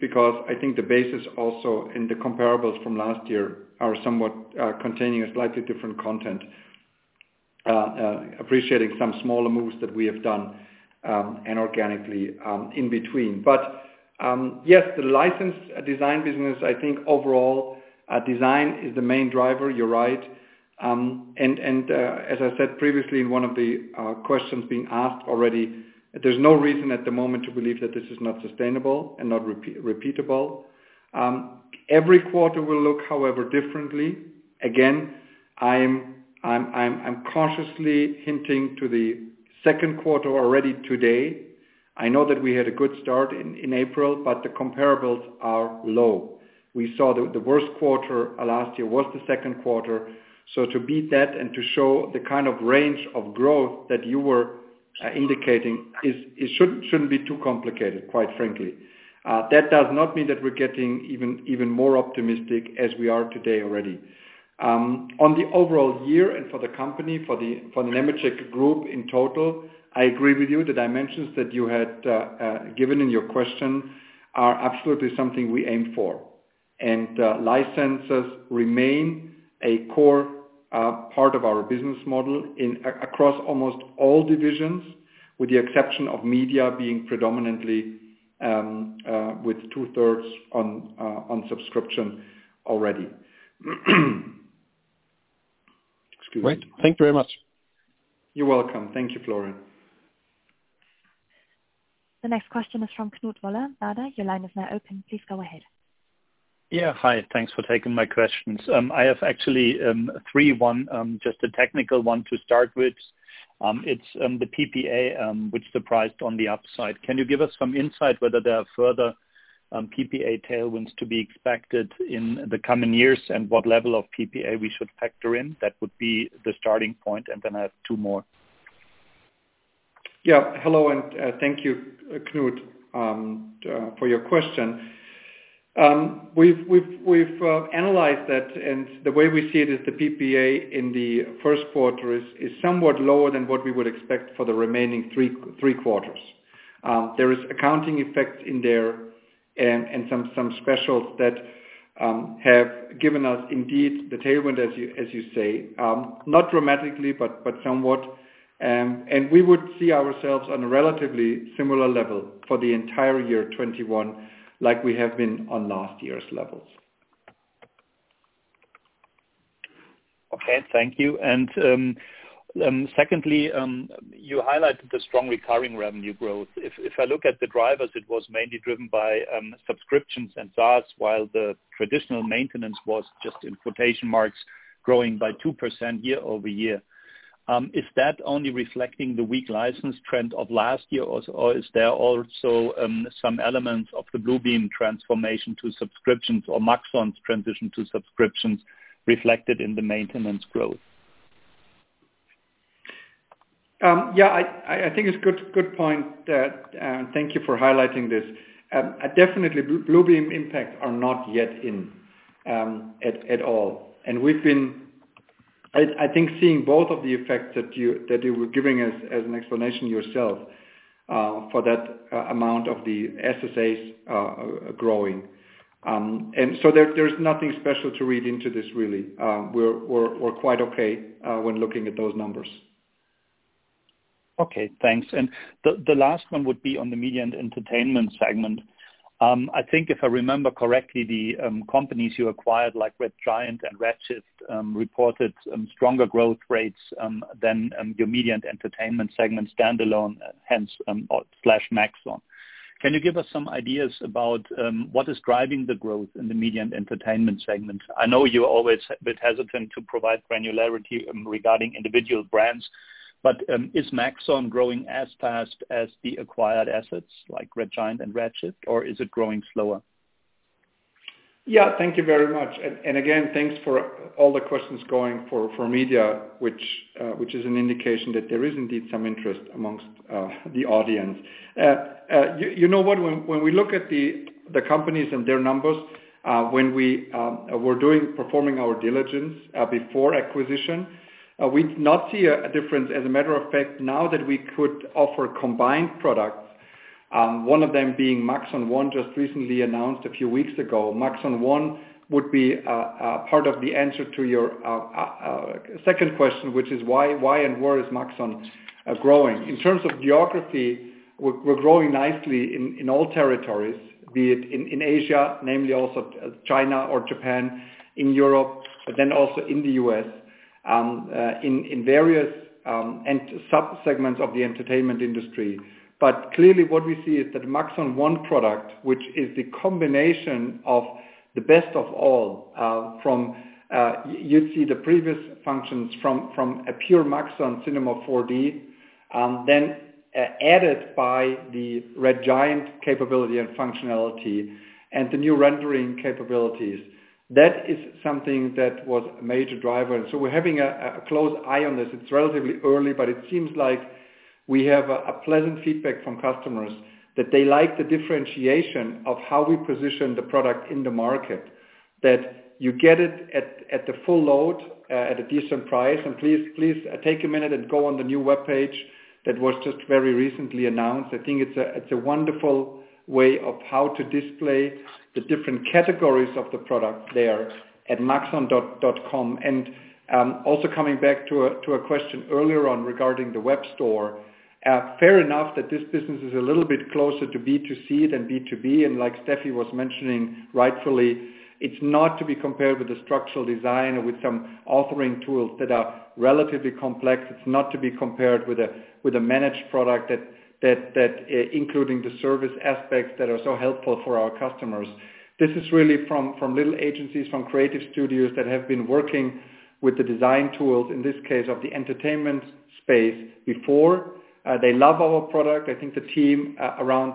Speaker 3: because I think the basis also in the comparables from last year are somewhat containing a slightly different content, appreciating some smaller moves that we have done inorganically in between. Yes, the license design business, I think overall, design is the main driver, you're right. As I said previously in one of the questions being asked already, there's no reason at the moment to believe that this is not sustainable and not repeatable. Every quarter will look however differently. Again, I'm cautiously hinting to the second quarter already today. The comparables are low. We saw the worst quarter last year was the second quarter. To beat that and to show the kind of range of growth that you were indicating shouldn't be too complicated, quite frankly. That does not mean that we're getting even more optimistic as we are today already. On the overall year and for the company, for the Nemetschek Group in total, I agree with you. The dimensions that you had given in your question are absolutely something we aim for. Licenses remain a core part of our business model across almost all divisions, with the exception of media being predominantly with two-thirds on subscription already. Excuse me.
Speaker 8: Great. Thank you very much.
Speaker 3: You're welcome. Thank you, Florian.
Speaker 1: The next question is from Knut Woller, Baader. Your line is now open. Please go ahead.
Speaker 9: Yeah. Hi, thanks for taking my questions. I have actually three. One, just a technical one to start with. It's the PPA, which surprised on the upside. Can you give us some insight whether there are further PPA tailwinds to be expected in the coming years and what level of PPA we should factor in? That would be the starting point, and then I have two more.
Speaker 3: Hello, thank you, Knut, for your question. We've analyzed that, and the way we see it is the PPA in the first quarter is somewhat lower than what we would expect for the remaining three quarters. There is accounting effects in there and some specials that have given us indeed the tailwind as you say, not dramatically, but somewhat, and we would see ourselves on a relatively similar level for the entire year 2021, like we have been on last year's levels.
Speaker 9: Okay Thank you. Secondly, you highlighted the strong recurring revenue growth. If I look at the drivers, it was mainly driven by subscriptions and SaaS, while the traditional maintenance was just in quotation marks, growing by 2% year-over-year. Is that only reflecting the weak license trend of last year or is there also some elements of the Bluebeam transformation to subscriptions or Maxon's transition to subscriptions reflected in the maintenance growth?
Speaker 3: Yeah, I think it's a good point. Thank you for highlighting this. Definitely Bluebeam impact are not yet in, at all. We've been, I think seeing both of the effects that you were giving as an explanation yourself, for that amount of the SSAs growing. There's nothing special to read into this, really. We're quite okay when looking at those numbers.
Speaker 9: Okay, thanks. The last one would be on the media and entertainment segment. I think if I remember correctly, the companies you acquired, like Red Giant and Redshift, reported stronger growth rates than your media and entertainment segment standalone, hence, slash Maxon. Can you give us some ideas about what is driving the growth in the media and entertainment segment? I know you're always a bit hesitant to provide granularity regarding individual brands, is Maxon growing as fast as the acquired assets like Red Giant and Redshift, or is it growing slower?
Speaker 3: Yeah. Thank you very much. Thanks for all the questions going for media, which is an indication that there is indeed some interest amongst the audience. When we look at the companies and their numbers, when we were performing our diligence before acquisition, we did not see a difference. As a matter of fact, now that we could offer combined products, one of them being Maxon One, just recently announced a few weeks ago. Maxon One would be part of the answer to your second question, which is why and where is Maxon growing? In terms of geography, we're growing nicely in all territories, be it in Asia, namely also China or Japan, in Europe, then also in the U.S., in various subsegments of the entertainment industry. Clearly what we see is that Maxon One product, which is the combination of the best of all. You'd see the previous functions from a pure Maxon Cinema 4D, then added by the Red Giant capability and functionality and the new rendering capabilities. We're having a close eye on this. It's relatively early, but it seems like we have a pleasant feedback from customers. That they like the differentiation of how we position the product in the market. That you get it at the full load, at a decent price. Please take a minute and go on the new webpage that was just very recently announced. I think it's a wonderful way of how to display the different categories of the product there at maxon.net. Also coming back to a question earlier on regarding the web store. Fair enough that this business is a little bit closer to B2C than B2B, and like Stefaniei was mentioning, rightfully, it's not to be compared with the structural design or with some authoring tools that are relatively complex. It's not to be compared with a managed product that including the service aspects that are so helpful for our customers. This is really from little agencies, from creative studios that have been working with the design tools, in this case, of the entertainment space before. They love our product. I think the team around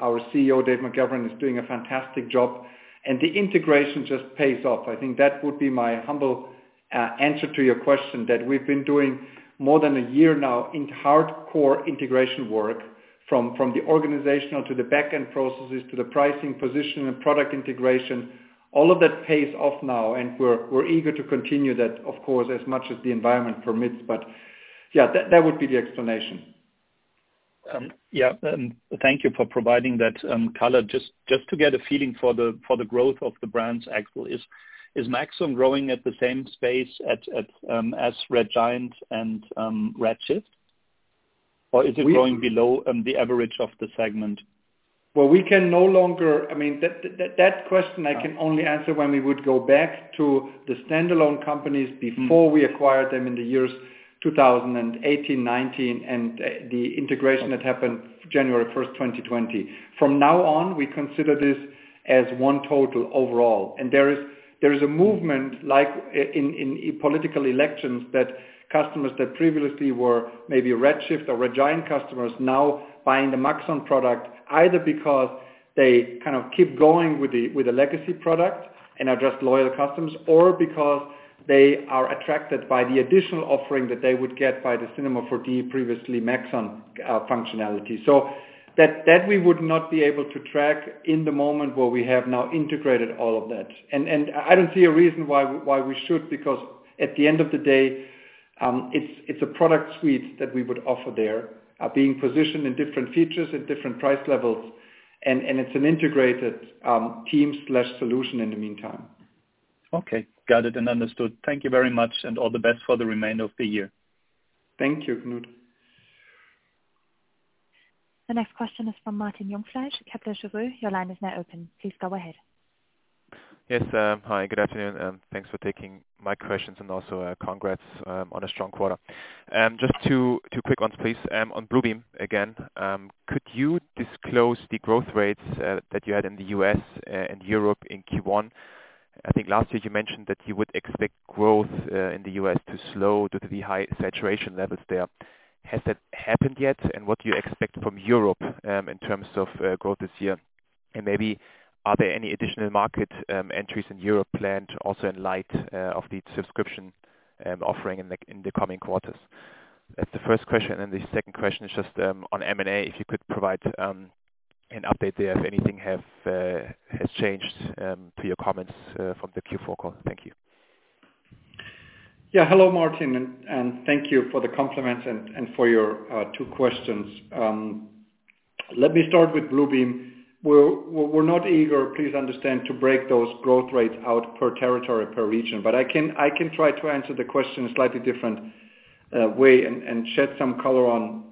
Speaker 3: our CEO, David McGavran, is doing a fantastic job and the integration just pays off. I think that would be my humble answer to your question, that we've been doing more than a year now in hardcore integration work from the organizational to the backend processes, to the pricing position and product integration. All of that pays off now. We're eager to continue that, of course, as much as the environment permits. Yeah, that would be the explanation.
Speaker 9: Yeah. Thank you for providing that color. Just to get a feeling for the growth of the brands actually. Is Maxon growing at the same space as Red Giant and Redshift? Or is it growing below the average of the segment?
Speaker 3: Well, that question I can only answer when we would go back to the standalone companies before we acquired them in the years 2018, 2019, and the integration that happened January 1st, 2020. From now on, we consider this as one total overall. There is a movement like in political elections, that customers that previously were maybe Redshift or Red Giant customers now buying the Maxon product either because they kind of keep going with a legacy product and are just loyal customers, or because they are attracted by the additional offering that they would get by the Cinema 4D, previously Maxon functionality. That we would not be able to track in the moment where we have now integrated all of that. I don't see a reason why we should, because at the end of the day. It's a product suite that we would offer there, being positioned in different features at different price levels, and it's an integrated team and solution in the meantime.
Speaker 9: Okay. Got it, and understood. Thank you very much, and all the best for the remainder of the year.
Speaker 3: Thank you, Knut.
Speaker 1: The next question is from Martin Jungfleisch, Kepler Cheuvreux. Your line is now open. Please go ahead.
Speaker 10: Yes. Hi, good afternoon. Thanks for taking my questions, also congrats on a strong quarter. Just two quick ones, please. On Bluebeam again, could you disclose the growth rates that you had in the U.S. and Europe in Q1? I think last year you mentioned that you would expect growth in the U.S. to slow due to the high saturation levels there. Has that happened yet? What do you expect from Europe in terms of growth this year? Maybe are there any additional market entries in Europe planned also in light of the subscription offering in the coming quarters? That's the first question. The second question is just on M&A. If you could provide an update there if anything has changed to your comments from the Q4 call. Thank you.
Speaker 3: Yeah. Hello, Martin Jungfleisch, and thank you for the compliments and for your two questions. Let me start with Bluebeam. We're not eager, please understand, to break those growth rates out per territory, per region. I can try to answer the question a slightly different way and shed some color on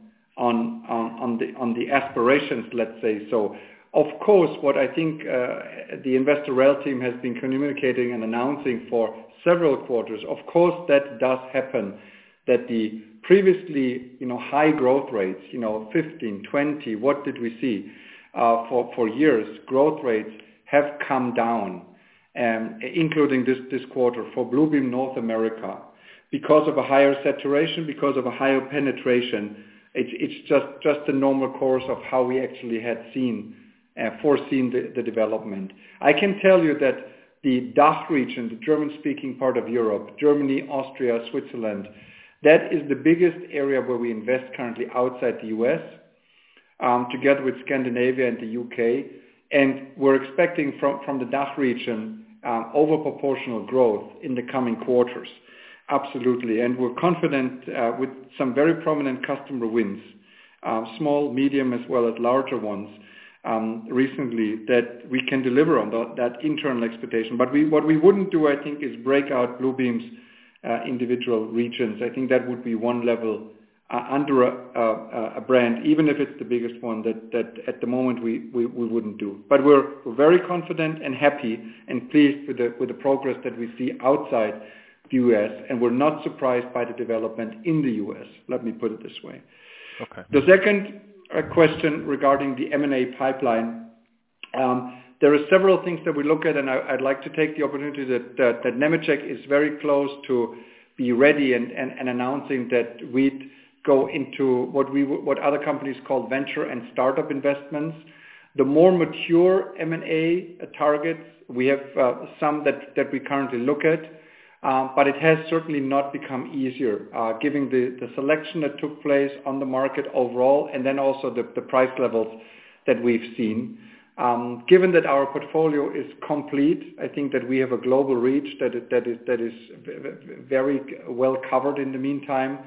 Speaker 3: the aspirations, let's say so. Of course, what I think the investor rel team has been communicating and announcing for several quarters, of course, that does happen that the previously high growth rates, 15%, 20%, what did we see, for years, growth rates have come down, including this quarter for Bluebeam North America, because of a higher saturation, because of a higher penetration. It's just a normal course of how we actually had foreseen the development. I can tell you that the DACH region, the German-speaking part of Europe, Germany, Austria, Switzerland, that is the biggest area where we invest currently outside the U.S., together with Scandinavia and the U.K. We're expecting from the DACH region, over proportional growth in the coming quarters. Absolutely. We're confident with some very prominent customer wins, small, medium, as well as larger ones, recently that we can deliver on that internal expectation. What we wouldn't do, I think, is break out Bluebeam's individual regions. I think that would be one level under a brand, even if it's the biggest one that at the moment we wouldn't do. We're very confident and happy and pleased with the progress that we see outside the U.S., and we're not surprised by the development in the U.S. Let me put it this way.
Speaker 10: Okay.
Speaker 3: The second question regarding the M&A pipeline. There are several things that we look at, and I'd like to take the opportunity that Nemetschek is very close to be ready and announcing that we'd go into what other companies call venture and startup investments. The more mature M&A targets we have some that we currently look at, but it has certainly not become easier. Given the selection that took place on the market overall, and then also the price levels that we've seen. Given that our portfolio is complete, I think that we have a global reach that is very well covered in the meantime.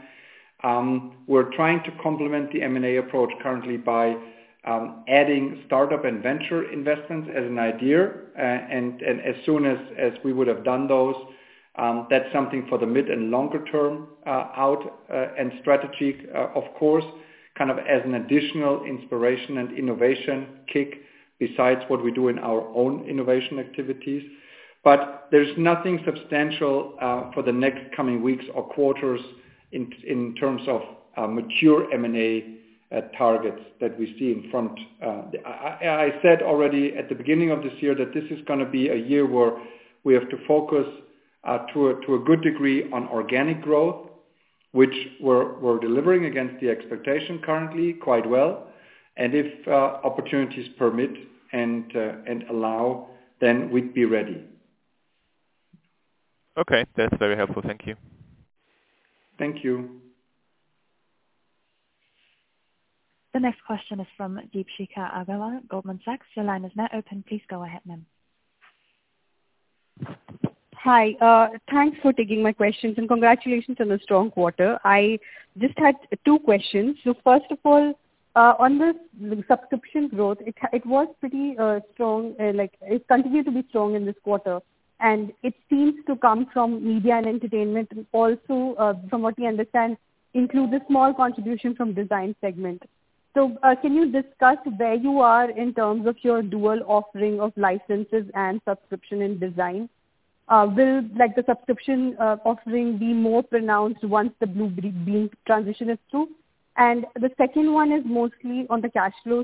Speaker 3: We're trying to complement the M&A approach currently by adding startup and venture investments as an idea. As soon as we would have done those, that's something for the mid and longer term out, and strategy, of course, kind of as an additional inspiration and innovation kick besides what we do in our own innovation activities. There's nothing substantial for the next coming weeks or quarters in terms of mature M&A targets that we see in front. I said already at the beginning of this year that this is going to be a year where we have to focus to a good degree on organic growth, which we're delivering against the expectation currently quite well. If opportunities permit and allow, then we'd be ready.
Speaker 10: Okay. That's very helpful. Thank you.
Speaker 3: Thank you.
Speaker 1: The next question is from Deepshikha Agarwal, Goldman Sachs. Your line is now open. Please go ahead, ma'am.
Speaker 11: Hi. Thanks for taking my questions and congratulations on the strong quarter. I just had two questions. First of all, on the subscription growth, it was pretty strong. It continued to be strong in this quarter, and it seems to come from Media and Entertainment also, from what we understand, include the small contribution from Design segment. Can you discuss where you are in terms of your dual offering of licenses and subscription in Design? Will the subscription offering be more pronounced once the Bluebeam transition is through? The second one is mostly on the cash flow.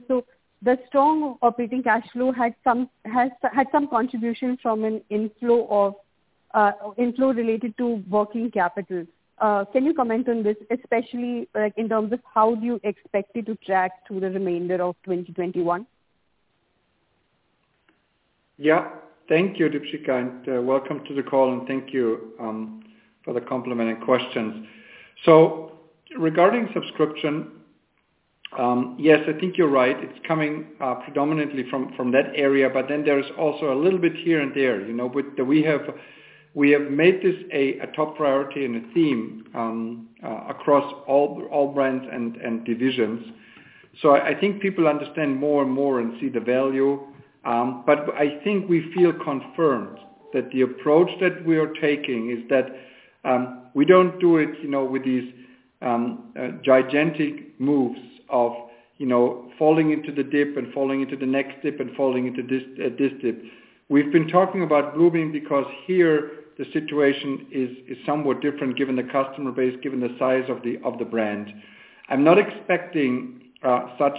Speaker 11: The strong operating cash flow had some contribution from an inflow related to working capital. Can you comment on this, especially in terms of how do you expect it to track through the remainder of 2021?
Speaker 3: Thank you, Deepshikha, and welcome to the call and thank you for the complimenting questions. Regarding subscription. Yes, I think you're right. It's coming predominantly from that area. There's also a little bit here and there. We have made this a top priority and a theme across all brands and divisions. I think people understand more and more and see the value. I think we feel confirmed that the approach that we are taking is that we don't do it with these gigantic moves of falling into the dip and falling into the next dip and falling into this dip. We've been talking about Bluebeam because here the situation is somewhat different given the customer base, given the size of the brand. I'm not expecting such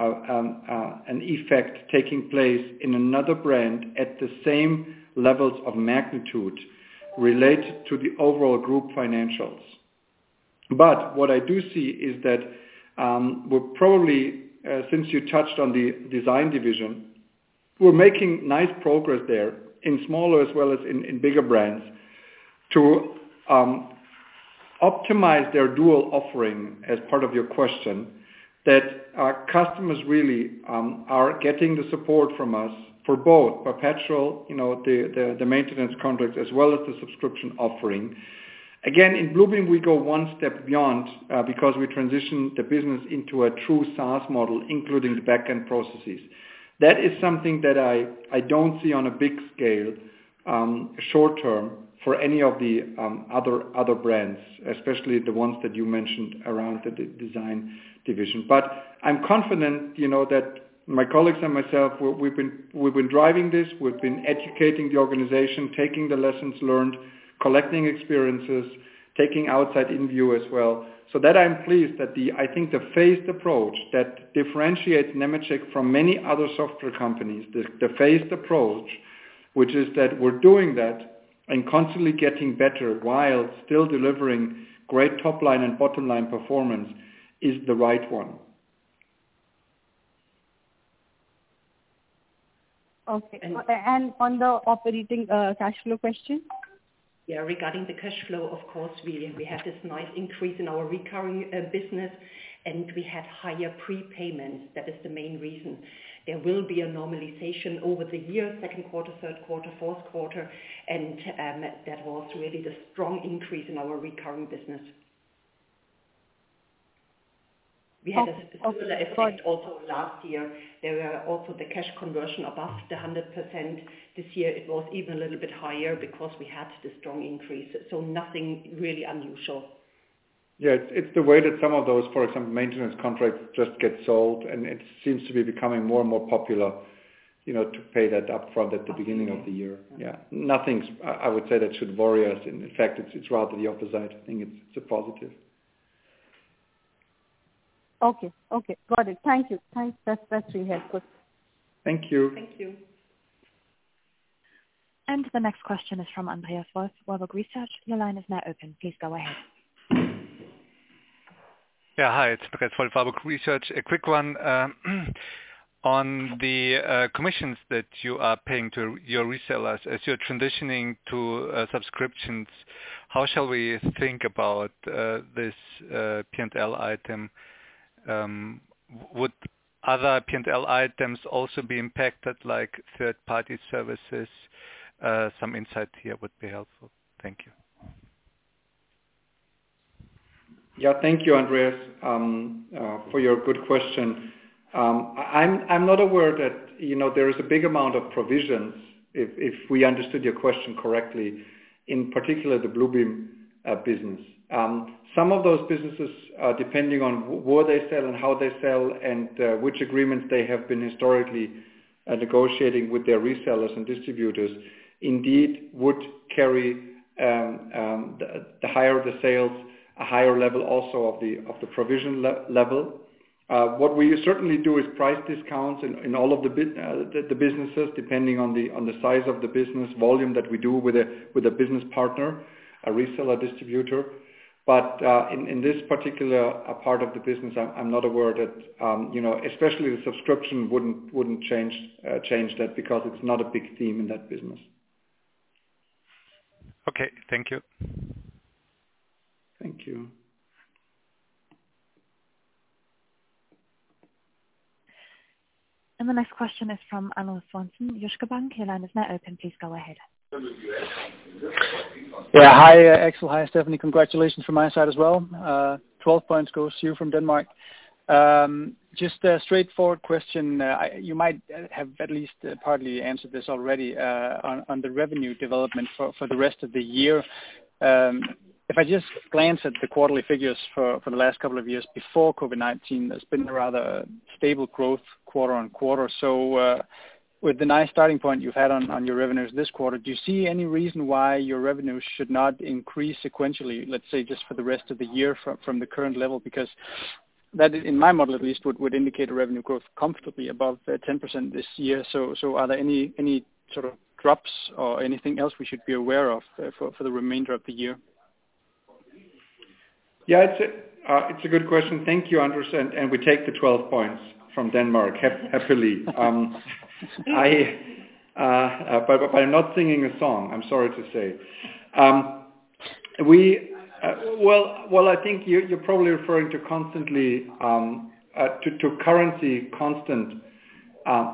Speaker 3: an effect taking place in another brand at the same levels of magnitude related to the overall group financials. What I do see is that we're probably, since you touched on the design division, we're making nice progress there in smaller as well as in bigger brands to optimize their dual offering as part of your question, that our customers really are getting the support from us for both perpetual, the maintenance contract as well as the subscription offering. Again, in Bluebeam, we go one step beyond, because we transition the business into a true SaaS model, including the back-end processes. That is something that I don't see on a big scale, short term for any of the other brands, especially the ones that you mentioned around the design division. I'm confident that my colleagues and myself, we've been driving this. We've been educating the organization, taking the lessons learned, collecting experiences, taking outside in view as well, so that I'm pleased that I think the phased approach that differentiates Nemetschek from many other software companies, the phased approach, which is that we're doing that and constantly getting better while still delivering great top line and bottom line performance is the right one.
Speaker 11: Okay. On the operating cash flow question?
Speaker 2: Regarding the cash flow, of course, we had this nice increase in our recurring business and we had higher prepayments. That is the main reason. There will be a normalization over the year, second quarter, third quarter, fourth quarter, and that was really the strong increase in our recurring business. We had a similar effect also last year. There were also the cash conversion above the 100%. This year it was even a little bit higher because we had the strong increase. Nothing really unusual.
Speaker 3: Yeah. It's the way that some of those, for example, maintenance contracts just get sold. It seems to be becoming more and more popular to pay that up front at the beginning of the year. Yeah. Nothing, I would say, that should worry us. In fact, it's rather the opposite. I think it's a positive.
Speaker 11: Okay. Got it. Thank you. That's really helpful.
Speaker 3: Thank you.
Speaker 2: Thank you.
Speaker 1: The next question is from Andreas Wolf, Warburg Research. Your line is now open. Please go ahead.
Speaker 12: Hi, it's Andreas Wolf, Warburg Research. A quick one, on the commissions that you are paying to your resellers as you're transitioning to subscriptions, how shall we think about this P&L item? Would other P&L items also be impacted, like third-party services? Some insight here would be helpful. Thank you.
Speaker 3: Thank you, Andreas, for your good question. I'm not aware that there is a big amount of provisions, if we understood your question correctly, in particular the Bluebeam business. Some of those businesses are depending on where they sell and how they sell and which agreements they have been historically negotiating with their resellers and distributors, indeed would carry, the higher the sales, a higher level also of the provision level. What we certainly do is price discounts in all of the businesses, depending on the size of the business volume that we do with a business partner, a reseller distributor. In this particular part of the business, I'm not aware that, especially the subscription wouldn't change that because it's not a big theme in that business.
Speaker 12: Okay. Thank you.
Speaker 3: Thank you.
Speaker 1: The next question is from Anders Swanson, Jyske Bank. Your line is now open. Please go ahead.
Speaker 13: Hi, Axel. Hi, Stefanie. Congratulations from my side as well. 12 points goes to you from Denmark. Just a straightforward question. You might have at least partly answered this already, on the revenue development for the rest of the year. If I just glance at the quarterly figures for the last couple of years before COVID-19, there's been a rather stable growth quarter-on-quarter. With the nice starting point you've had on your revenues this quarter, do you see any reason why your revenue should not increase sequentially, let's say just for the rest of the year from the current level? Because that, in my model at least, would indicate a revenue growth comfortably above 10% this year. Are there any sort of drops or anything else we should be aware of for the remainder of the year?
Speaker 3: It's a good question. Thank you, Anders, and we take the 12 points from Denmark happily. I'm not singing a song, I'm sorry to say. Well, I think you're probably referring to currency constant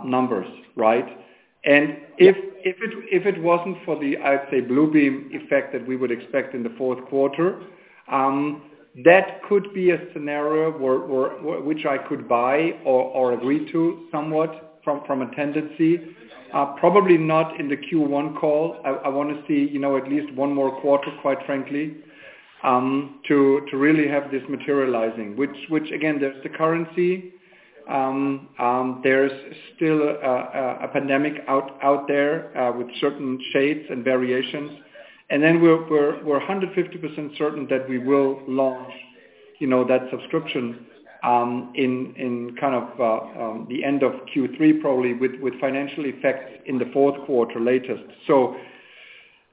Speaker 3: numbers, right? If it wasn't for the, I'd say, Bluebeam effect that we would expect in the fourth quarter, that could be a scenario which I could buy or agree to somewhat from a tendency. Probably not in the Q1 call. I want to see at least one more quarter, quite frankly, to really have this materializing, which again, there's the currency, there's still a pandemic out there with certain shades and variations. Then we're 150% certain that we will launch that subscription in the end of Q3, probably with financial effect in the fourth quarter latest.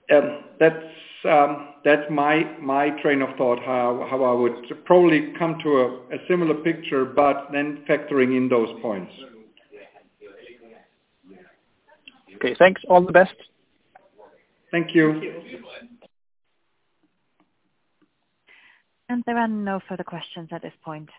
Speaker 3: That's my train of thought, how I would probably come to a similar picture, factoring in those points.
Speaker 13: Okay, thanks. All the best.
Speaker 3: Thank you.
Speaker 1: There are no further questions at this point.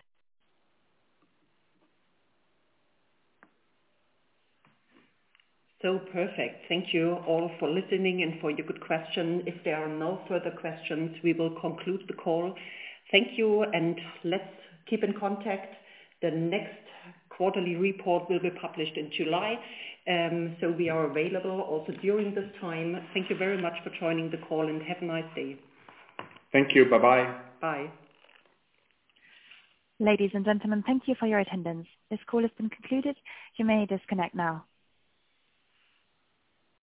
Speaker 2: Perfect. Thank you all for listening and for your good question. If there are no further questions, we will conclude the call. Thank you. Let's keep in contact. The next quarterly report will be published in July. We are available also during this time. Thank you very much for joining the call. Have a nice day.
Speaker 3: Thank you. Bye-bye.
Speaker 2: Bye.
Speaker 1: Ladies and gentlemen, thank you for your attendance. This call has been concluded. You may disconnect now.